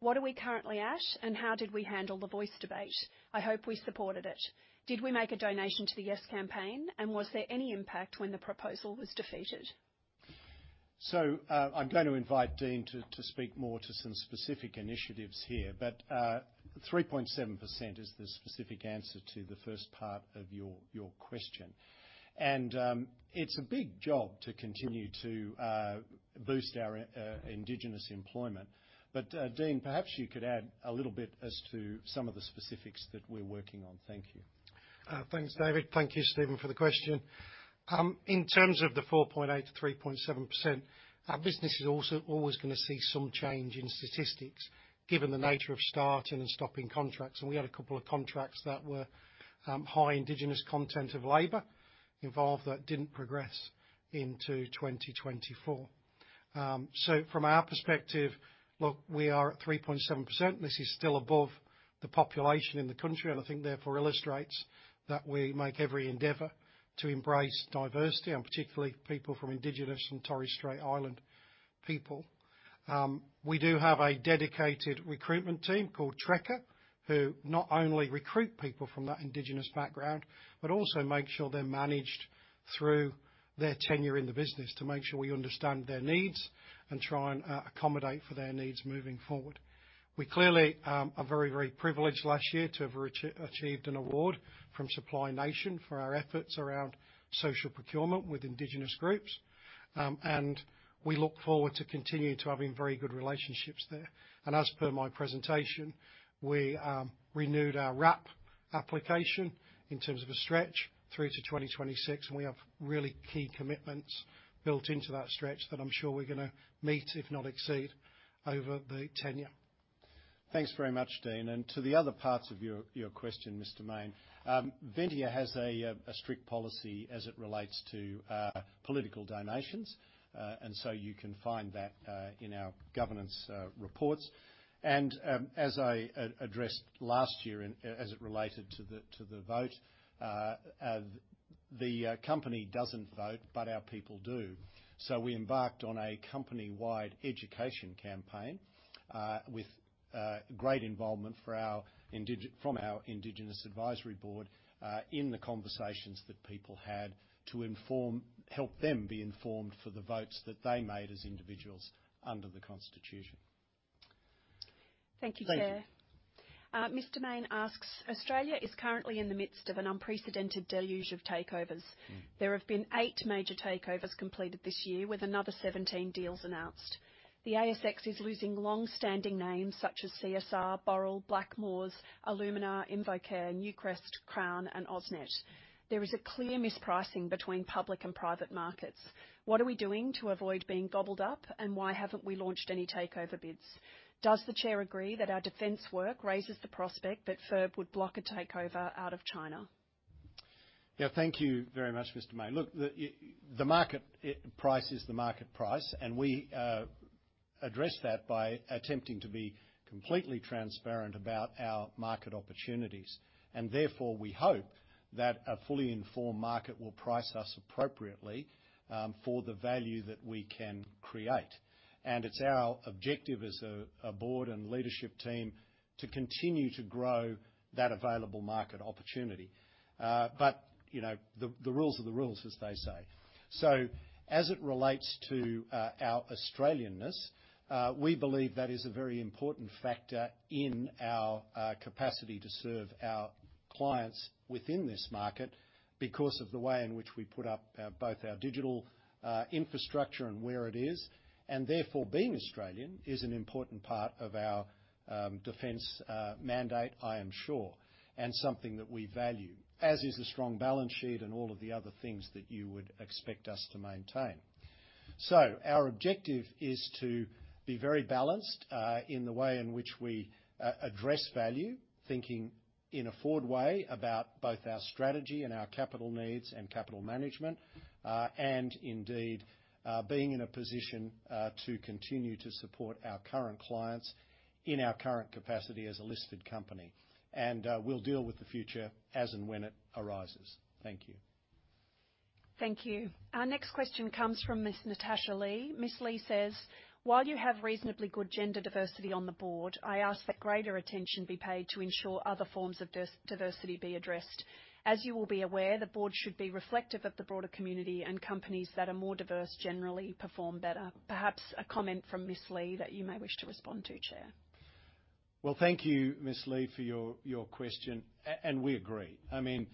What are we currently at, and how did we handle the Voice debate? I hope we supported it. Did we make a donation to the Yes campaign, and was there any impact when the proposal was defeated? So, I'm going to invite Dean to speak more to some specific initiatives here, but 3.7% is the specific answer to the first part of your question. And, it's a big job to continue to boost our Indigenous employment. But, Dean, perhaps you could add a little bit as to some of the specifics that we're working on. Thank you. Thanks, David. Thank you, Stephen, for the question. In terms of the 4.8%-3.7%, our business is also always gonna see some change in statistics, given the nature of starting and stopping contracts, and we had a couple of contracts that were, high Indigenous content of labor involved that didn't progress into 2024. So from our perspective, look, we are at 3.7%. This is still above the population in the country, and I think therefore illustrates that we make every endeavor to embrace diversity, and particularly people from Indigenous and Torres Strait Islander people. We do have a dedicated recruitment team called TRECCA, who not only recruit people from that Indigenous background, but also make sure they're managed through their tenure in the business to make sure we understand their needs and try and accommodate for their needs moving forward. We clearly are very, very privileged last year to have achieved an award from Supply Nation for our efforts around social procurement with Indigenous groups. And we look forward to continuing to having very good relationships there. As per my presentation, we renewed our RAP application in terms of a stretch through to 2026, and we have really key commitments built into that stretch that I'm sure we're gonna meet, if not exceed, over the tenure. Thanks very much, Dean, and to the other parts of your question, Mr. Mayne. Ventia has a strict policy as it relates to political donations. So you can find that in our governance reports. As I addressed last year, as it related to the vote, the company doesn't vote, but our people do. So we embarked on a company-wide education campaign with great involvement from our Indigenous Advisory Board in the conversations that people had to help them be informed for the votes that they made as individuals under the Constitution. Thank you, Chair. Thank you. Mr. Mayne asks, "Australia is currently in the midst of an unprecedented deluge of takeovers. There have been 8 major takeovers completed this year, with another 17 deals announced. The ASX is losing long-standing names such as CSR, Boral, Blackmores, Alumina, InvoCare, Newcrest, Crown, and AusNet. There is a clear mispricing between public and private markets. What are we doing to avoid being gobbled up, and why haven't we launched any takeover bids? Does the chair agree that our defense work raises the prospect that FIRB would block a takeover out of China? Yeah, thank you very much, Mr. Mayne. Look, the market price is the market price, and we address that by attempting to be completely transparent about our market opportunities. And therefore, we hope that a fully informed market will price us appropriately for the value that we can create. And it's our objective as a board and leadership team to continue to grow that available market opportunity. But, you know, the rules are the rules, as they say. So as it relates to our Australian-ness, we believe that is a very important factor in our capacity to serve our clients within this market because of the way in which we put up both our digital infrastructure and where it is. Therefore, being Australian is an important part of our defense mandate, I am sure, and something that we value, as is a strong balance sheet and all of the other things that you would expect us to maintain. So our objective is to be very balanced in the way in which we address value, thinking in a forward way about both our strategy and our capital needs and capital management, and indeed, being in a position to continue to support our current clients in our current capacity as a listed company. We'll deal with the future as and when it arises. Thank you. Thank you. Our next question comes from Ms. Natasha Lee. Ms. Lee says: "While you have reasonably good gender diversity on the board, I ask that greater attention be paid to ensure other forms of diversity be addressed. As you will be aware, the board should be reflective of the broader community, and companies that are more diverse generally perform better." Perhaps a comment from Ms. Lee that you may wish to respond to, Chair. Well, thank you, Ms. Lee, for your question. And we agree. I mean,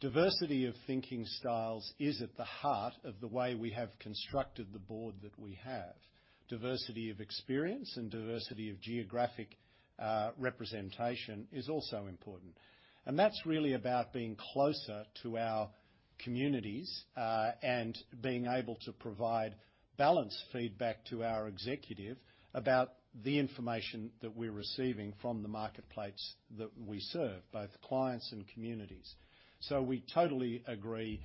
diversity of thinking styles is at the heart of the way we have constructed the board that we have. Diversity of experience and diversity of geographic representation is also important. And that's really about being closer to our communities and being able to provide balanced feedback to our executive about the information that we're receiving from the marketplaces that we serve, both clients and communities. So we totally agree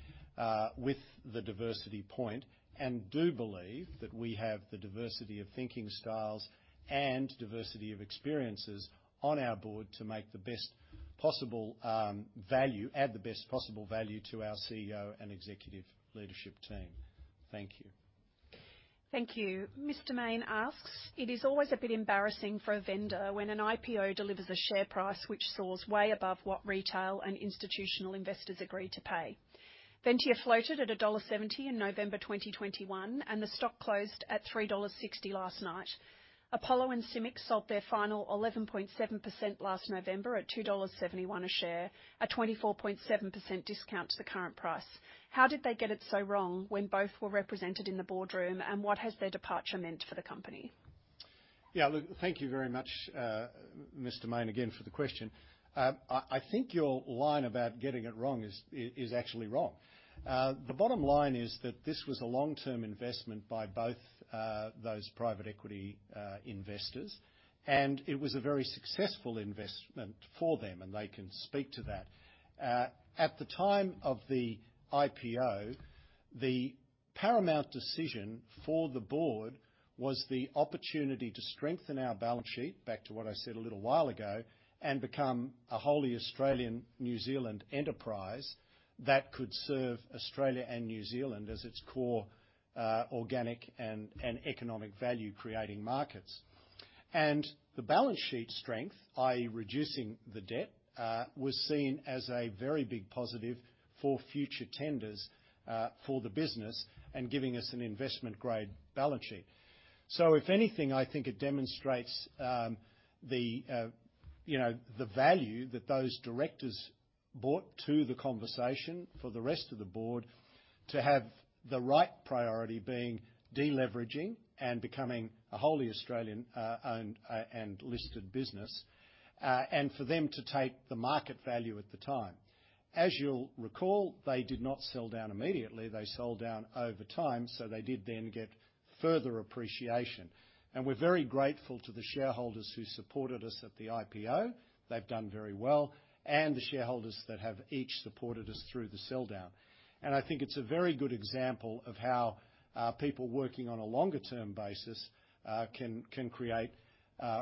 with the diversity point and do believe that we have the diversity of thinking styles and diversity of experiences on our board to add the best possible value to our CEO and executive leadership team. Thank you.... Thank you. Mr. Mayne asks, "It is always a bit embarrassing for a vendor when an IPO delivers a share price which soars way above what retail and institutional investors agree to pay. Ventia floated at dollar 1.70 in November 2021, and the stock closed at 3.60 dollars last night. Apollo and CIMIC sold their final 11.7% last November at 2.71 dollars a share, a 24.7% discount to the current price. How did they get it so wrong when both were represented in the boardroom, and what has their departure meant for the company? Yeah, look, thank you very much, Mr. Mayne, again, for the question. I think your line about getting it wrong is actually wrong. The bottom line is that this was a long-term investment by both, those private equity investors, and it was a very successful investment for them, and they can speak to that. At the time of the IPO, the paramount decision for the board was the opportunity to strengthen our balance sheet, back to what I said a little while ago, and become a wholly Australian-New Zealand enterprise that could serve Australia and New Zealand as its core, organic and economic value-creating markets. And the balance sheet strength, i.e., reducing the debt, was seen as a very big positive for future tenders, for the business and giving us an investment-grade balance sheet. So if anything, I think it demonstrates, you know, the value that those directors brought to the conversation for the rest of the board to have the right priority being de-leveraging and becoming a wholly Australian, owned, and listed business, and for them to take the market value at the time. As you'll recall, they did not sell down immediately. They sold down over time, so they did then get further appreciation. And we're very grateful to the shareholders who supported us at the IPO. They've done very well, and the shareholders that have each supported us through the sell-down. And I think it's a very good example of how, people working on a longer-term basis, can create,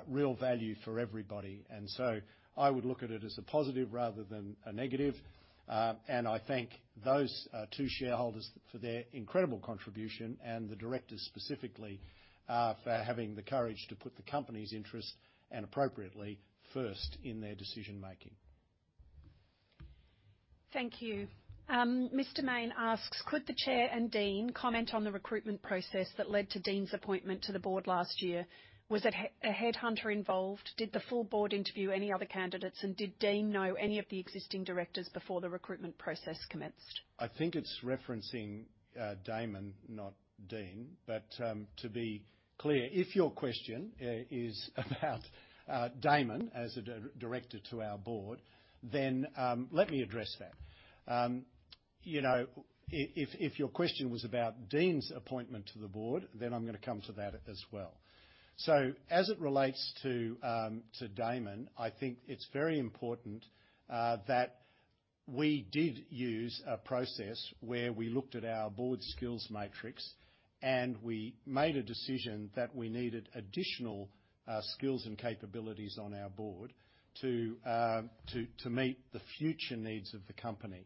real value for everybody. And so I would look at it as a positive rather than a negative. I thank those two shareholders for their incredible contribution and the directors specifically for having the courage to put the company's interests, and appropriately, first in their decision-making. Thank you. Mr. Mayne asks, "Could the chair and Dean comment on the recruitment process that led to Dean's appointment to the board last year? Was a headhunter involved? Did the full board interview any other candidates? And did Dean know any of the existing directors before the recruitment process commenced? I think it's referencing, Damon, not Dean. But, to be clear, if your question is about Damon as a director to our board, then let me address that. You know, if, if your question was about Dean's appointment to the board, then I'm gonna come to that as well. So, as it relates to Damon, I think it's very important that we did use a process where we looked at our board's skills matrix, and we made a decision that we needed additional skills and capabilities on our board to meet the future needs of the company.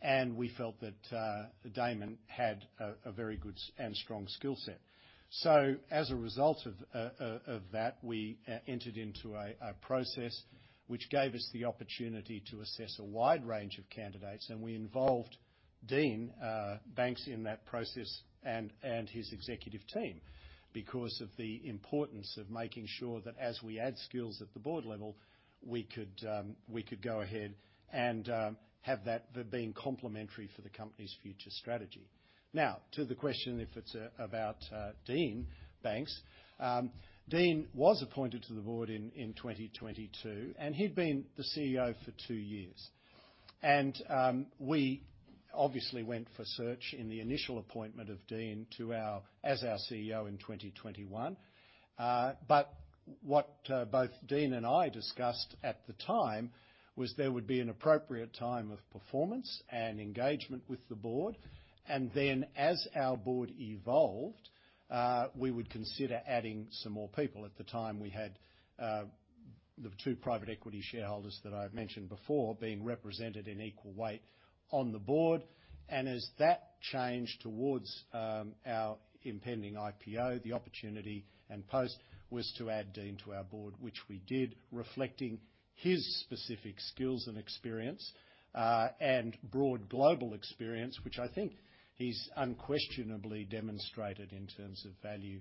And we felt that Damon had a very good and strong skill set. So as a result of that, we entered into a process which gave us the opportunity to assess a wide range of candidates, and we involved Dean Banks in that process and his executive team because of the importance of making sure that as we add skills at the board level, we could go ahead and have that being complementary for the company's future strategy. Now, to the question, if it's about Dean Banks. Dean was appointed to the board in 2022, and he'd been the CEO for two years. We obviously went for search in the initial appointment of Dean to our—as our CEO in 2021. But what both Dean and I discussed at the time was there would be an appropriate time of performance and engagement with the board, and then, as our board evolved, we would consider adding some more people. At the time, we had the two private equity shareholders that I've mentioned before, being represented in equal weight on the board. And as that changed towards our impending IPO, the opportunity and post was to add Dean to our board, which we did, reflecting his specific skills and experience, and broad global experience, which I think he's unquestionably demonstrated in terms of value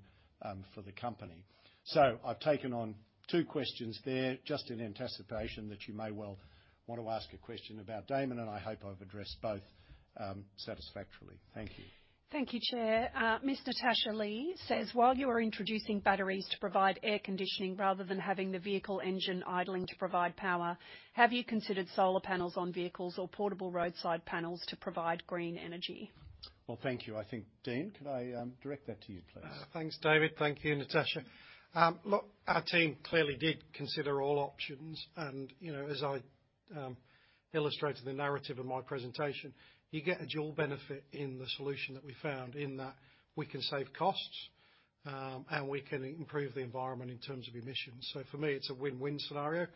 for the company. So I've taken on two questions there, just in anticipation that you may well want to ask a question about Damon, and I hope I've addressed both, satisfactorily. Thank you. Thank you, Chair. Miss Natasha Lee says, "While you are introducing batteries to provide air conditioning rather than having the vehicle engine idling to provide power, have you considered solar panels on vehicles or portable roadside panels to provide green energy? Well, thank you. I think, Dean, could I direct that to you, please? Thanks, David. Thank you, Natasha. Look, our team clearly did consider all options, and, you know, as I illustrated the narrative in my presentation, you get a dual benefit in the solution that we found, in that we can save costs, and we can improve the environment in terms of emissions. So for me, it's a win-win scenario.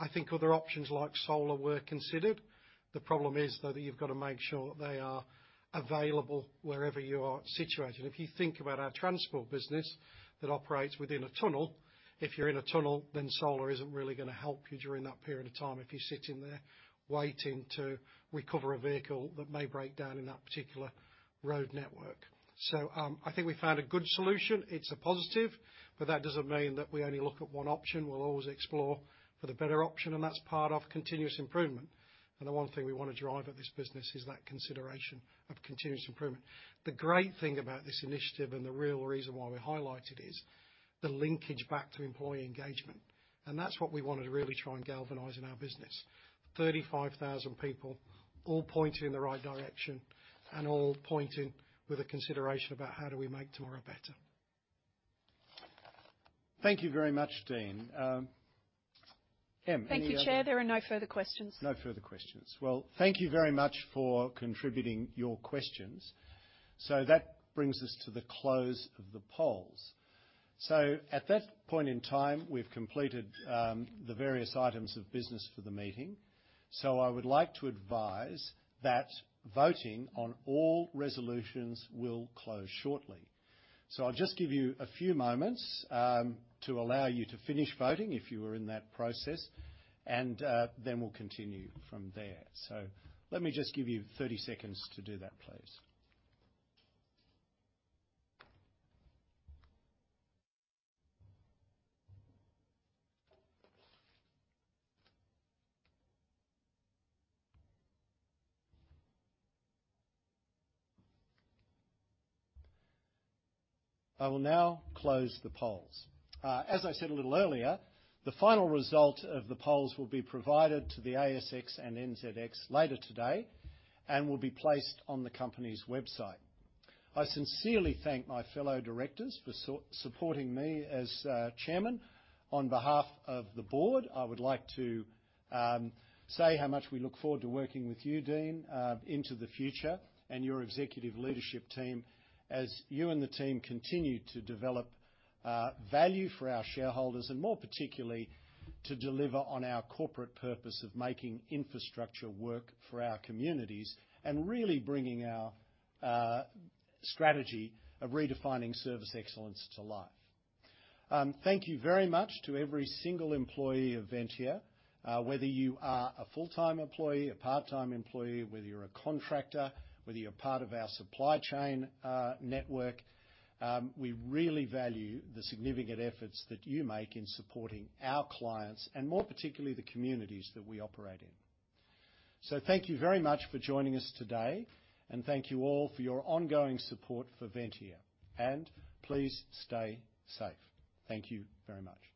I think other options like solar were considered. The problem is, though, that you've got to make sure that they are available wherever you are situated. If you think about our transport business that operates within a tunnel, if you're in a tunnel, then solar isn't really gonna help you during that period of time if you're sitting there waiting to recover a vehicle that may break down in that particular road network. So, I think we found a good solution. It's a positive, but that doesn't mean that we only look at one option. We'll always explore for the better option, and that's part of continuous improvement, and the one thing we want to drive at this business is that consideration of continuous improvement. The great thing about this initiative, and the real reason why we highlight it, is the linkage back to employee engagement, and that's what we wanted to really try and galvanize in our business. 35,000 people, all pointing in the right direction and all pointing with a consideration about how do we make tomorrow better? Thank you very much, Dean. Em, any other? Thank you, Chair. There are no further questions. No further questions. Well, thank you very much for contributing your questions. So that brings us to the close of the polls. So at that point in time, we've completed the various items of business for the meeting. So I would like to advise that voting on all resolutions will close shortly. So I'll just give you a few moments to allow you to finish voting if you were in that process, and then we'll continue from there. So let me just give you 30 seconds to do that, please. I will now close the polls. As I said a little earlier, the final result of the polls will be provided to the ASX and NZX later today and will be placed on the company's website. I sincerely thank my fellow directors for supporting me as Chairman. On behalf of the board, I would like to say how much we look forward to working with you, Dean, into the future, and your executive leadership team, as you and the team continue to develop value for our shareholders, and more particularly, to deliver on our corporate purpose of making infrastructure work for our communities and really bringing our strategy of redefining service excellence to life. Thank you very much to every single employee of Ventia. Whether you are a full-time employee, a part-time employee, whether you're a contractor, whether you're part of our supply chain network, we really value the significant efforts that you make in supporting our clients and, more particularly, the communities that we operate in. So thank you very much for joining us today, and thank you all for your ongoing support for Ventia. Please stay safe. Thank you very much.